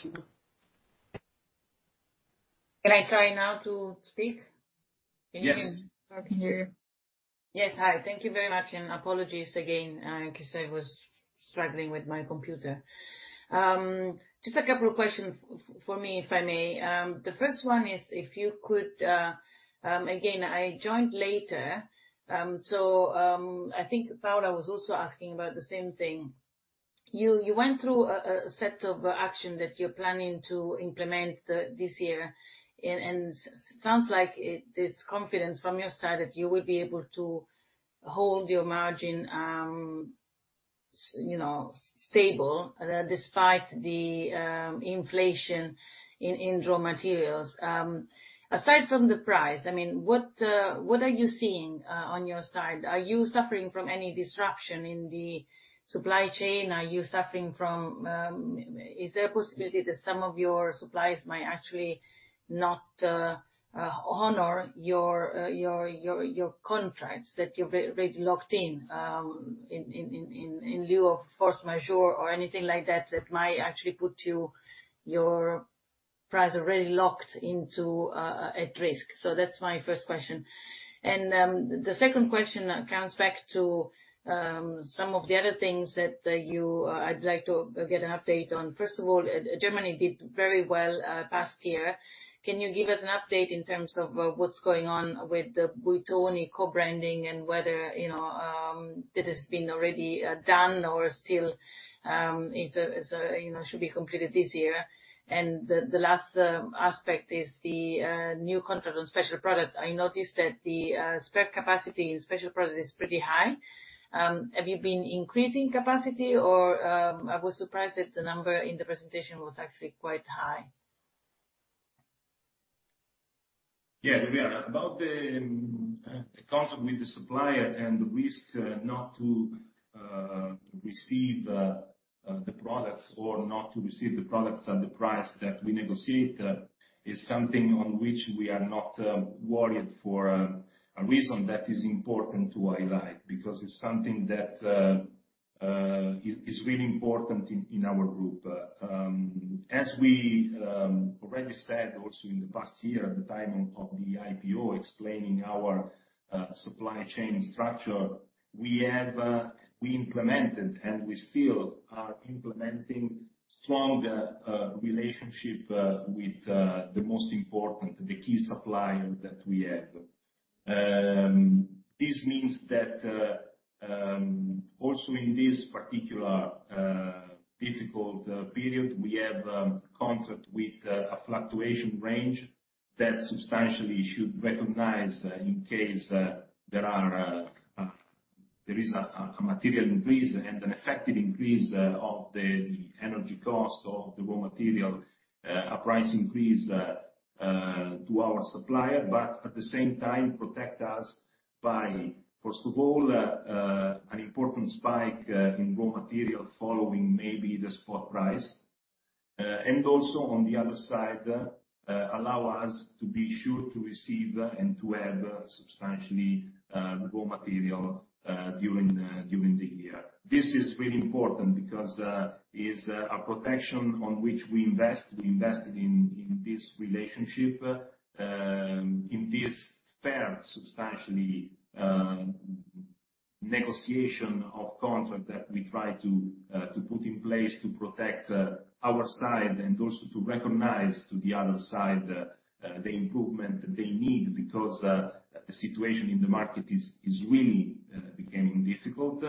Can I try now to speak? Yes. I can hear you. Yes. Hi. Thank you very much, and apologies again, 'cause I was struggling with my computer. Just a couple of questions for me, if I may. The first one is, if you could. Again, I joined later, so I think Paola was also asking about the same thing. You went through a set of action that you're planning to implement this year, and it sounds like there's confidence from your side that you will be able to hold your margin, you know, stable despite the inflation in raw materials. Aside from the price, I mean, what are you seeing on your side? Are you suffering from any disruption in the supply chain? Are you suffering from Is there a possibility that some of your suppliers might actually not honor your contracts that you've already locked in in lieu of force majeure or anything like that that might actually put your price already locked into at risk? That's my first question. The second question comes back to some of the other things that I'd like to get an update on. First of all, Germany did very well past year. Can you give us an update in terms of what's going on with the Buitoni co-branding and whether you know that has been already done or still should be completed this year? The last aspect is the new contract on special product. I noticed that the spare capacity in special product is pretty high. Have you been increasing capacity or I was surprised that the number in the presentation was actually quite high. Yeah. We are. About the contract with the supplier and the risk not to receive the products or not to receive the products at the price that we negotiate is something on which we are not worried for a reason that is important to highlight because it's something that is really important in our group. As we already said also in the past year at the time of the IPO explaining our supply chain structure, we have implemented and we still are implementing stronger relationship with the most important key supplier that we have. This means that also in this particular difficult period, we have contracts with a fluctuation range that substantially should recognize, in case there is a material increase and an effective increase of the energy cost of the raw material, a price increase from our supplier. At the same time, protect us from, first of all, an important spike in raw material following maybe the spot price. Also on the other side, allow us to be sure to receive and to have substantially raw material during the year. This is really important because it's a protection on which we invest. We invested in this relationship in this fair substantially negotiation of contract that we try to put in place to protect our side and also to recognize to the other side the improvement they need because the situation in the market is really becoming difficult.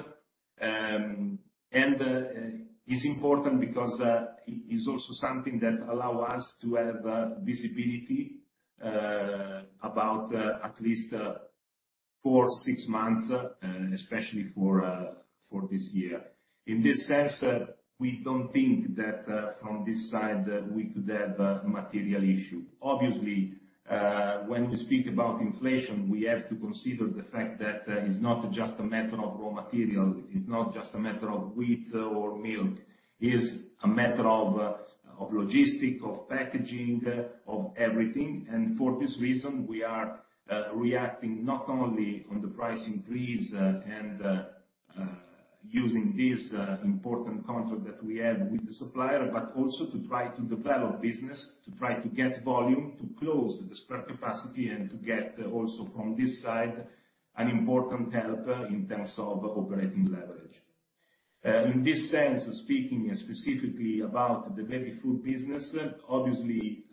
It is important because it is also something that allows us to have visibility about at least 4 months-6 months especially for this year. In this sense, we don't think that from this side we could have a material issue. Obviously, when we speak about inflation, we have to consider the fact that it's not just a matter of raw material. It's not just a matter of wheat or milk. It's a matter of logistics, of packaging, of everything. For this reason, we are reacting not only on the price increase and using this important contract that we have with the supplier, but also to try to develop business, to try to get volume, to close the spare capacity, and to get also from this side, an important help in terms of operating leverage. In this sense, speaking specifically about the baby food business, obviously,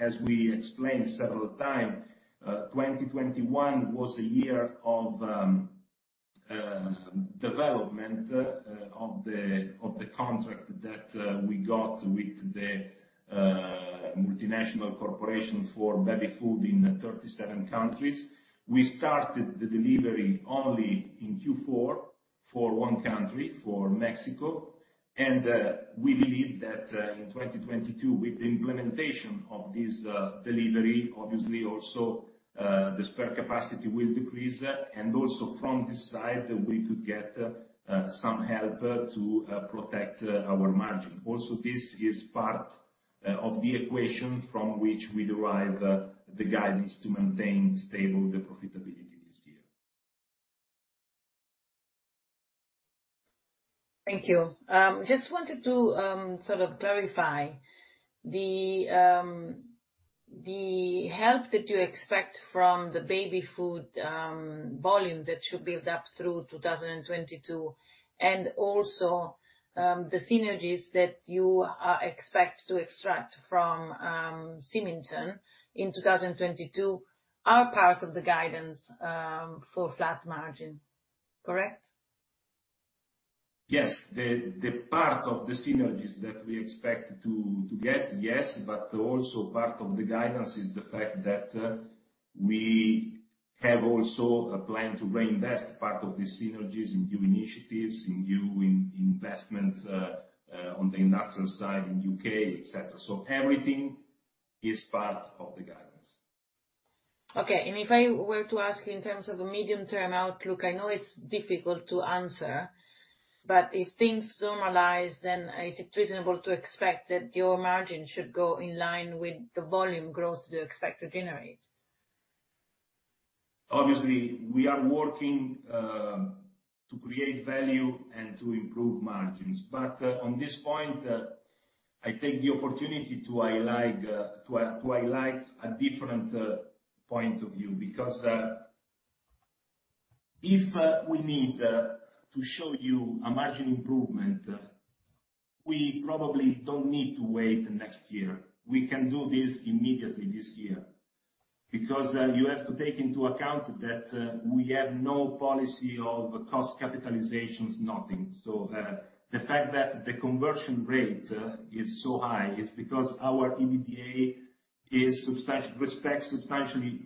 as we explained several times, 2021 was a year of development of the contract that we got with the multinational corporation for baby food in 37 countries. We started the delivery only in Q4 for one country, for Mexico. We believe that in 2022, with the implementation of this delivery, obviously also the spare capacity will decrease. From this side, we could get some help to protect our margin. This is part of the equation from which we derive the guidance to maintain stable the profitability this year. Thank you. Just wanted to sort of clarify the help that you expect from the baby food volume that should build up through 2022, and also the synergies that you expect to extract from Symingtons in 2022 are part of the guidance for flat margin, correct? Yes. The part of the synergies that we expect to get, yes. Also part of the guidance is the fact that we have also a plan to reinvest part of the synergies in new initiatives, in new investments, on the industrial side in U.K., etc.. Everything is part of the guidance. Okay. If I were to ask in terms of a medium-term outlook, I know it's difficult to answer. If things normalize, then is it reasonable to expect that your margin should go in line with the volume growth that you expect to generate? Obviously, we are working to create value and to improve margins. On this point, I take the opportunity to highlight a different point of view. If we need to show you a margin improvement, we probably don't need to wait next year. We can do this immediately this year. You have to take into account that we have no policy of cost capitalizations, nothing. The fact that the conversion rate is so high is because our Adjusted EBITDA substantially respects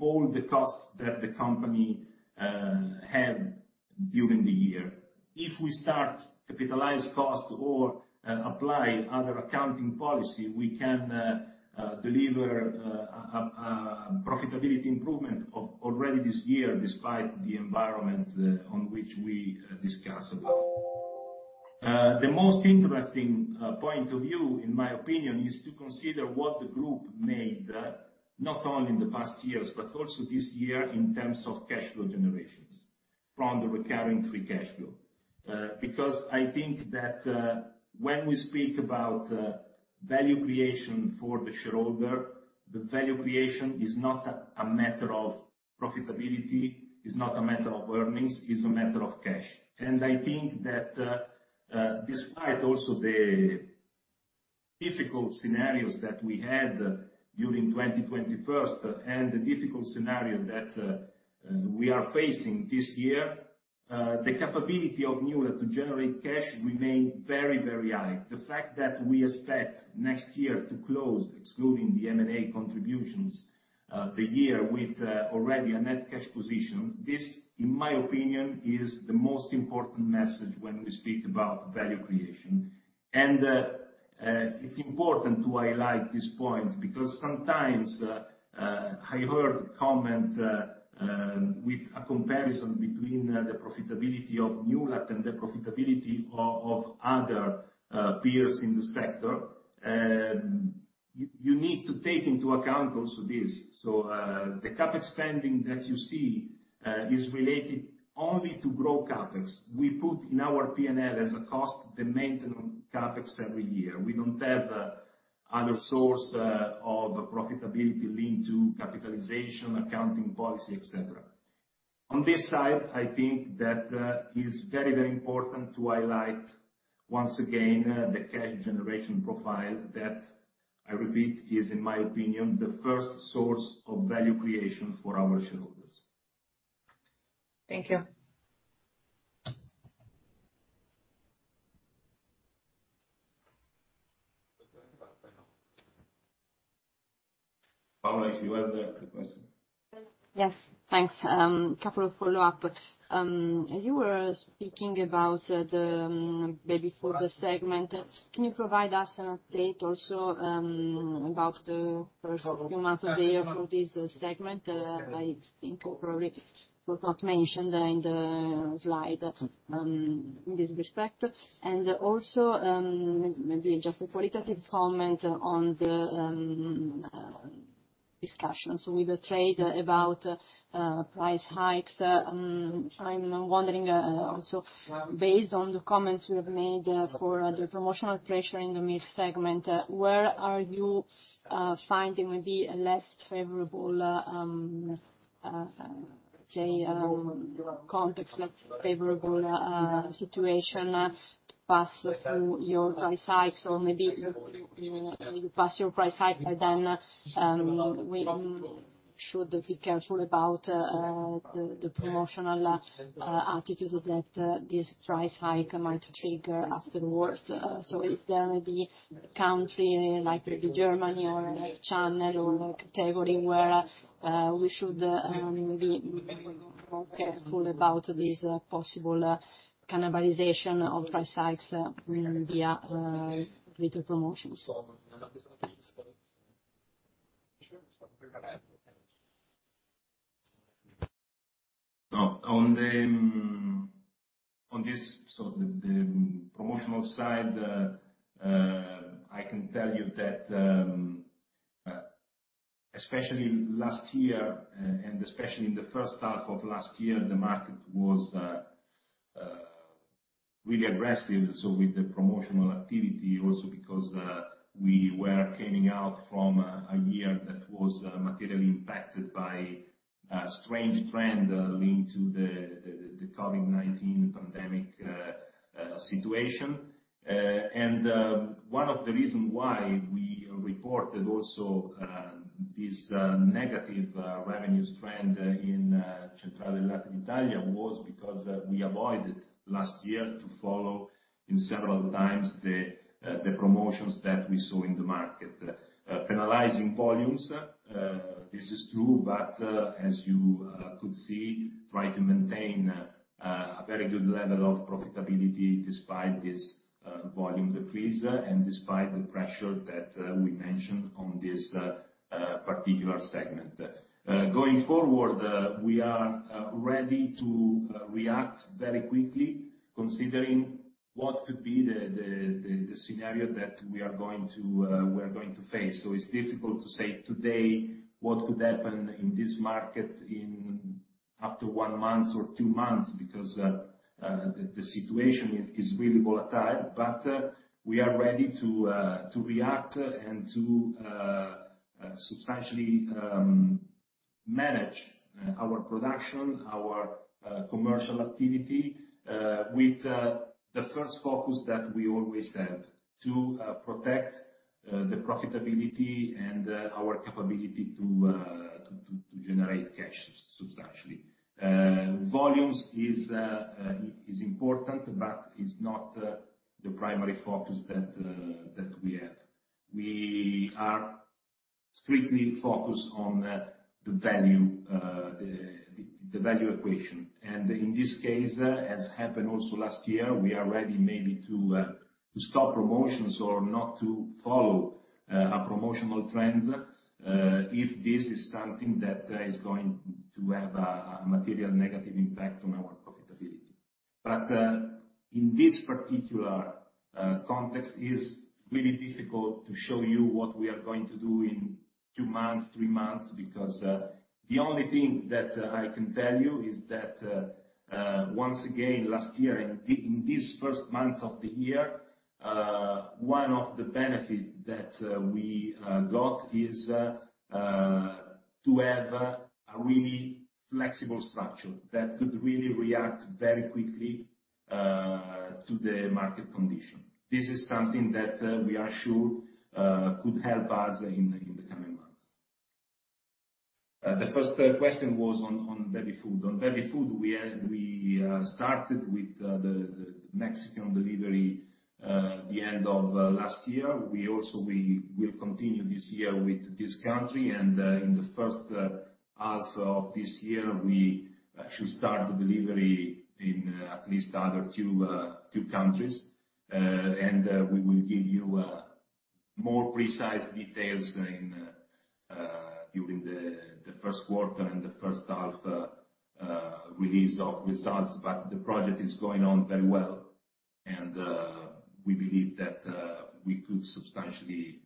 all the costs that the company had during the year. If we start capitalized cost or apply other accounting policy, we can deliver a profitability improvement already this year despite the environment on which we discuss about. The most interesting point of view, in my opinion, is to consider what the group made, not only in the past years, but also this year in terms of cash flow generations from the recurring free cash flow. Because I think that, when we speak about value creation for the shareholder, the value creation is not a matter of profitability, is not a matter of earnings, is a matter of cash. I think that, despite also the difficult scenarios that we had during 2021 and the difficult scenario that we are facing this year, the capability of Newlat to generate cash remain very, very high. The fact that we expect next year to close, excluding the M&A contributions, the year with already a net cash position, this, in my opinion, is the most important message when we speak about value creation. It's important to highlight this point because sometimes I heard comment with a comparison between the profitability of Newlat and the profitability of other peers in the sector. You need to take into account also this. The CapEx spending that you see is related only to grow CapEx. We put in our P&L as a cost, the maintenance CapEx every year. We don't have other source of profitability linked to capitalization, accounting policy, etc.. On this side, I think that is very, very important to highlight once again the cash generation profile that, I repeat, is in my opinion, the first source of value creation for our shareholders. Thank you. Paola, if you have the question. Yes. Thanks. Couple of follow-up. As you were speaking about the baby food segment, can you provide us an update also about the first few months of the year for this segment? I think probably it was not mentioned in the slide in this respect. Also, maybe just a qualitative comment on the discussions with the trade about price hikes. I'm wondering, also based on the comments you have made for the promotional pressure in the meat segment, where are you finding maybe a less favorable context, less favorable situation to pass through your price hikes? Or maybe you pass your price hike, but then we should be careful about the promotional attitude that this price hike might trigger afterwards. Is there maybe country like maybe Germany or like China or like category where we should be more careful about this possible cannibalization of price hikes via little promotions? No. On the promotional side, I can tell you that especially last year, and especially in the first half of last year, the market was really aggressive. With the promotional activity also because we were coming out from a year that was materially impacted by a strange trend linked to the COVID-19 pandemic situation. One of the reason why we reported also this negative revenues trend in Centrale del Latte d'Italia was because we avoided last year to follow in several times the promotions that we saw in the market. Penalizing volumes, this is true, but as you could see, we try to maintain a very good level of profitability despite this volume decrease, and despite the pressure that we mentioned on this particular segment. Going forward, we are ready to react very quickly considering what could be the scenario that we are going to face. It's difficult to say today what could happen in this market after one month or two months because the situation is really volatile. We are ready to react and to substantially manage our production, our commercial activity, with the first focus that we always have, to protect the profitability and our capability to generate cash substantially. Volumes is important, but it's not the primary focus that we have. We are strictly focused on the value equation. In this case, as happened also last year, we are ready maybe to stop promotions or not to follow a promotional trend, if this is something that is going to have a material negative impact on our profitability. In this particular context is really difficult to show you what we are going to do in two months, three months, because the only thing that I can tell you is that once again, last year in this first months of the year, one of the benefit that we got is to have a really flexible structure that could really react very quickly to the market condition. This is something that we are sure could help us in the coming months. The first question was on baby food. On baby food, we started with the Mexican delivery the end of last year. We will continue this year with this country, and in the first half of this year, we should start the delivery in at least two other countries. We will give you more precise details during the first quarter and the first half release of results. The project is going on very well, and we believe that we could substantially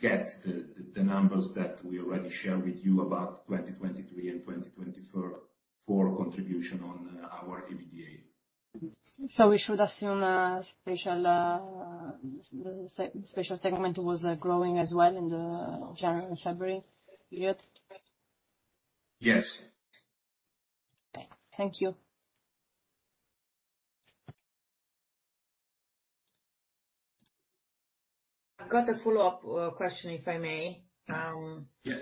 get the numbers that we already shared with you about 2023 and 2024 for contribution to our Adjusted EBITDA. We should assume special segment was growing as well in the January and February period? Yes. Thank you. I've got a follow-up question, if I may. Yes.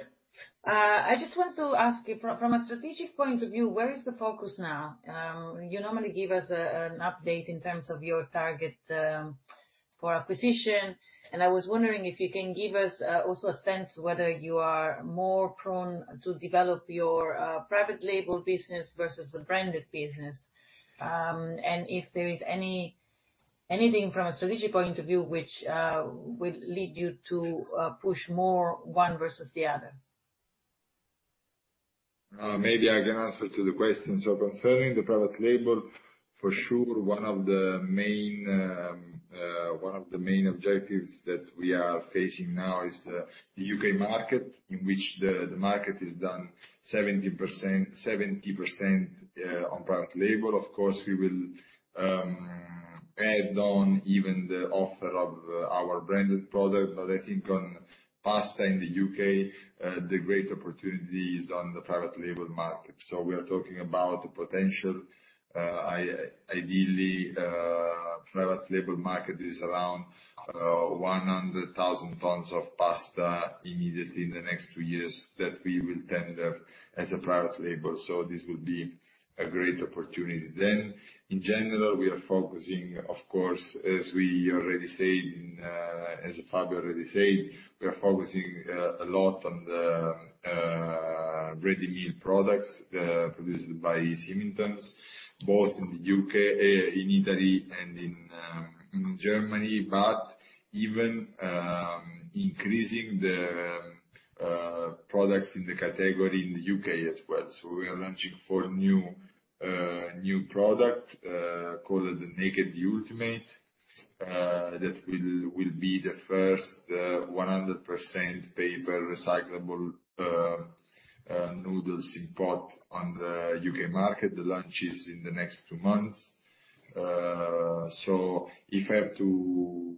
I just want to ask you from a strategic point of view, where is the focus now? You normally give us an update in terms of your target for acquisition, and I was wondering if you can give us also a sense whether you are more prone to develop your private label business versus the branded business. If there is anything from a strategic point of view which would lead you to push more one versus the other. Maybe I can answer to the question. Concerning the private label, for sure, one of the main objectives that we are facing now is the U.K. market, in which the market is done 70% on private label. Of course, we will add on even the offer of our branded product. I think on pasta in the U.K., the great opportunity is on the private label market. We are talking about potential. Ideally, private label market is around 100,000 tons of pasta immediately in the next two years that we will tender as a private label. This will be a great opportunity. In general, we are focusing, of course, as we already said, as Fabio already said, a lot on the ready-meal products produced by Symingtons, both in the U.K., in Italy and in Germany, but even increasing the products in the category in the U.K. as well. We are launching four new products called the Naked Ultimate. That will be the first 100% paper recyclable noodles in pot on the U.K. market. The launch is in the next two months. So if I have to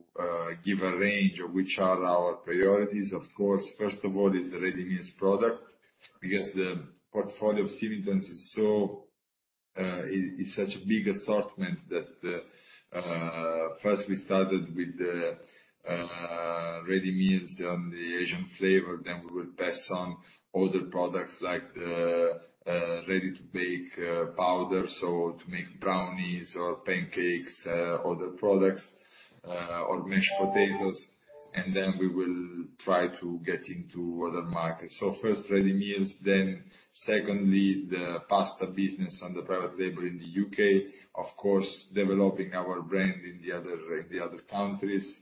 give a range of which are our priorities, of course, first of all is the ready meals product because the portfolio of Symingtons is so it is such a big assortment that first we started with the ready meals on the Asian flavor. Then we will pass on other products like the ready-to-bake powders or to make brownies or pancakes other products or mashed potatoes. We will try to get into other markets. First, ready meals, then secondly, the pasta business and the private label in the U.K., of course, developing our brand in the other countries,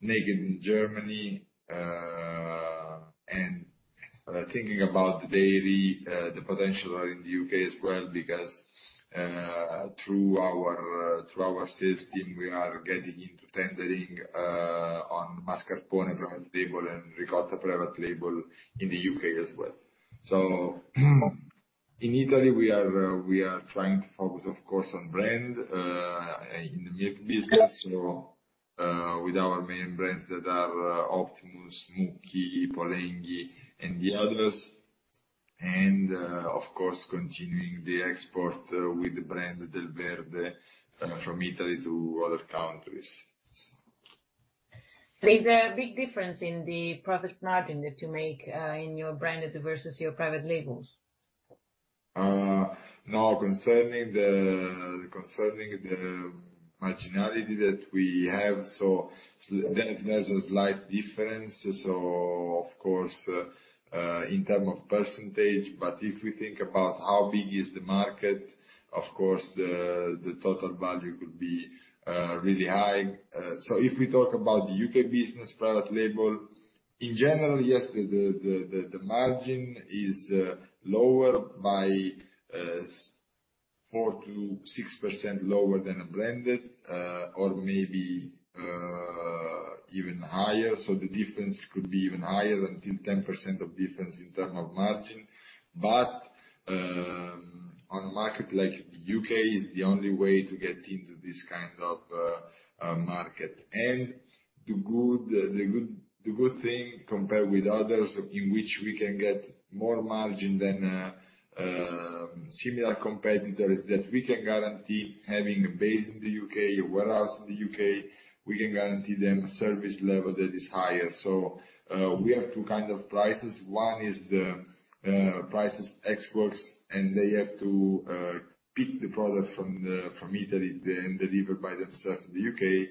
making in Germany, and thinking about the dairy, the potential in the U.K. as well, because, through our sales team, we are getting into tendering, on mascarpone private label and ricotta private label in the U.K. as well. In Italy, we are trying to focus, of course, on brand, in the milk business or, with our main brands that are Optimus, Mukki, Polenghi and the others. Of course, continuing the export with the brand Delverde from Italy to other countries. Is there a big difference in the profit margin that you make in your branded versus your private labels? Now concerning the marginality that we have, there is a slight difference. Of course, in terms of percentage, but if we think about how big the market is, of course, the total value could be really high. If we talk about the U.K. business private label, in general, yes, the margin is lower by 4%-6% than a blended or maybe even higher. The difference could be even higher until 10% of difference in terms of margin. On a market like the U.K. is the only way to get into this kind of market. The good thing compared with others in which we can get more margin than similar competitors that we can guarantee having a base in the U.K., a warehouse in the U.K., we can guarantee them a service level that is higher. We have two kinds of prices. One is the prices ex works, and they have to pick the products from Italy and deliver by themselves in the U.K.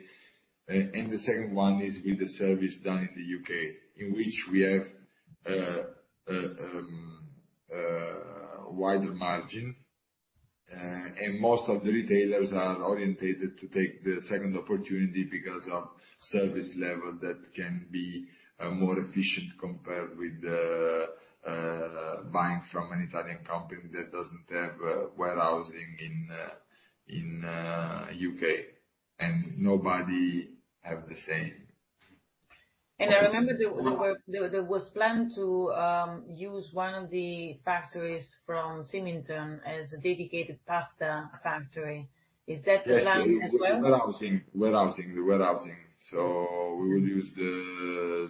The second one is with the service done in the U.K., in which we have a wider margin. Most of the retailers are oriented to take the second opportunity because of service level that can be more efficient compared with the buying from an Italian company that doesn't have warehousing in the U.K., and nobody have the same. I remember there was a plan to use one of the factories from Symingtons as a dedicated pasta factory. Is that planned as well? Yes. Warehousing. We will use the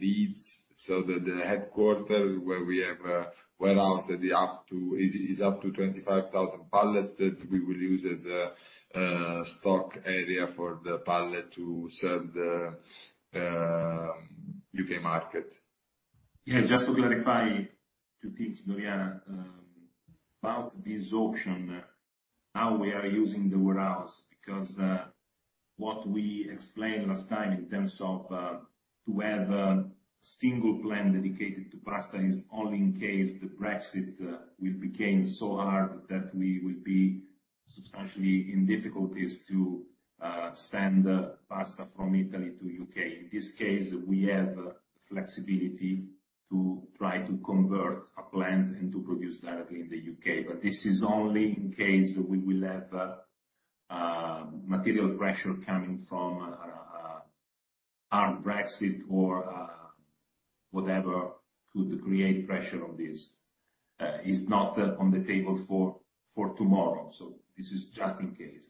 Leeds, the headquarters where we have a warehouse that is up to 25,000 pallets that we will use as a stock area for the pallet to serve the U.K. market. Just to clarify two things, Dorian, about this option, how we are using the warehouse, because what we explained last time in terms of to have a single plant dedicated to pasta is only in case the Brexit will become so hard that we will be substantially in difficulties to send pasta from Italy to U.K. In this case, we have flexibility to try to convert a plant and to produce directly in the U.K. This is only in case we will have material pressure coming from hard Brexit or whatever could create pressure on this. It's not on the table for tomorrow, so this is just in case.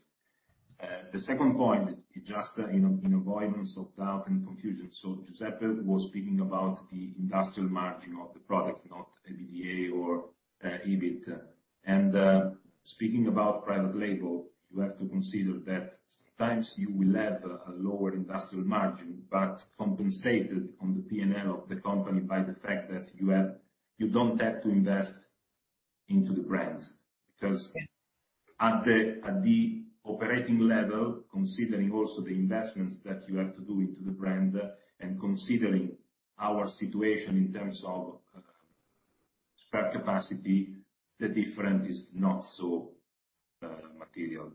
The second point, just in avoidance of doubt and confusion. Giuseppe was speaking about the industrial margin of the products, not EBITDA or EBIT. Speaking about private label, you have to consider that sometimes you will have a lower industrial margin, but compensated on the P&L of the company by the fact that you don't have to invest into the brands. Because at the operating level, considering also the investments that you have to do into the brand, and considering our situation in terms of spare capacity, the difference is not so material.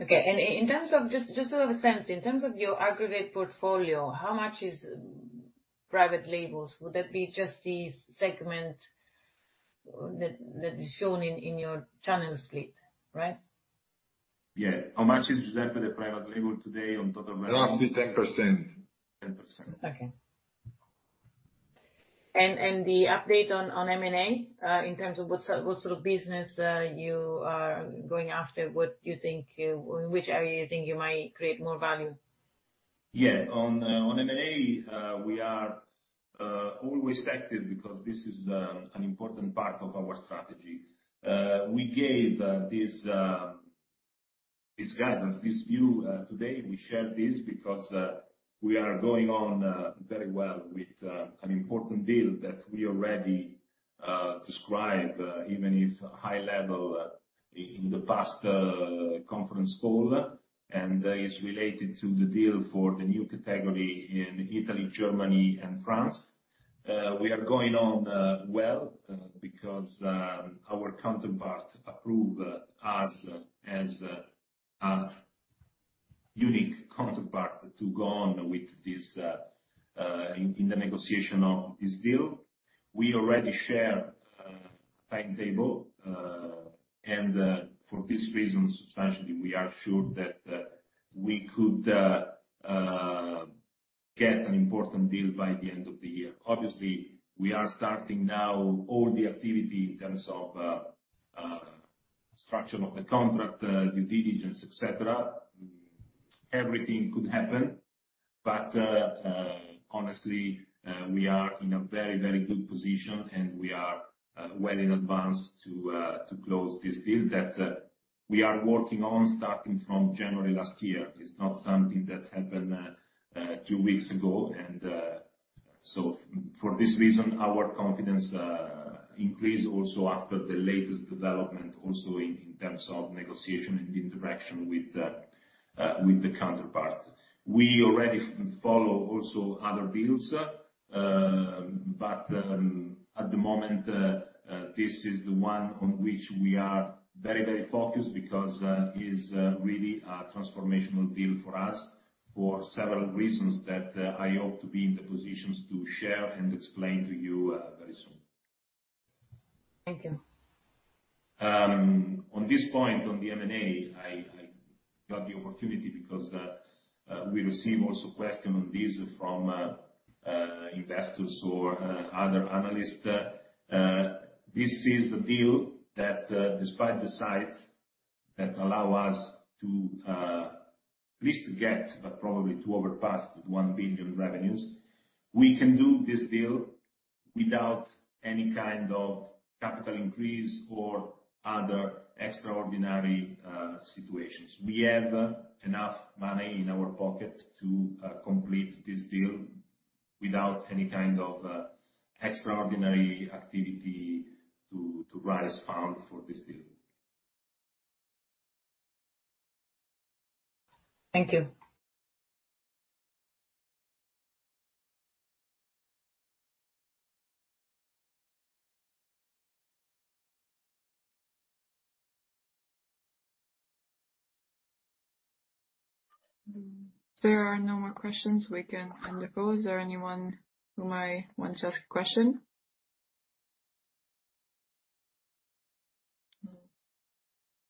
Okay. Just so I have a sense, in terms of your aggregate portfolio, how much is private labels? Would that be just the segment that is shown in your channel split, right? Yeah. How much is that for the private label today on total revenue? Around 10%. 10%. Okay. The update on M&A in terms of what sort of business you are going after? In which area you think you might create more value? Yeah. On M&A, we are always active because this is an important part of our strategy. We gave this guidance, this view today. We shared this because we are going on very well with an important deal that we already described even if high-level in the past conference call. It is related to the deal for the new category in Italy, Germany and France. We are going on well because our counterpart approves us as a unique counterpart to go on with this in the negotiation of this deal. We already shared timetable. For this reason, substantially, we are sure that we could get an important deal by the end of the year. Obviously, we are starting now all the activity in terms of structure of the contract, due diligence, etc.. Everything could happen but honestly, we are in a very good position, and we are well in advance to close this deal that we are working on starting from January last year. It's not something that happened two weeks ago and so for this reason, our confidence increased also after the latest development, also in terms of negotiation and interaction with the counterpart. We already follow also other deals, but at the moment this is the one on which we are very, very focused because it's really a transformational deal for us for several reasons that I hope to be in the positions to share and explain to you very soon. Thank you. On this point on the M&A, I got the opportunity because we receive also question on this from investors or other analysts. This is the deal that despite the size that allow us to at least to get, but probably to surpass 1 billion revenues. We can do this deal without any kind of capital increase or other extraordinary situations. We have enough money in our pocket to complete this deal without any kind of extraordinary activity to raise funds for this deal. Thank you. If there are no more questions, we can end the call. Is there anyone who wants to ask a question? No.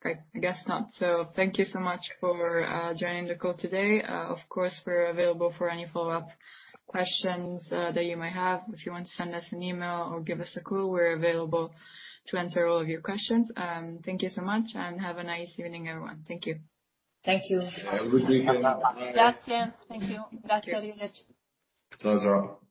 Great. I guess not. Thank you so much for joining the call today. Of course, we're available for any follow-up questions that you might have. If you want to send us an email or give us a call, we're available to answer all of your questions. Thank you so much and have a nice evening, everyone. Thank you. Thank you. Have a good weekend. Bye. Grazie. Thank you. Grazie mille. Ciao, Sara.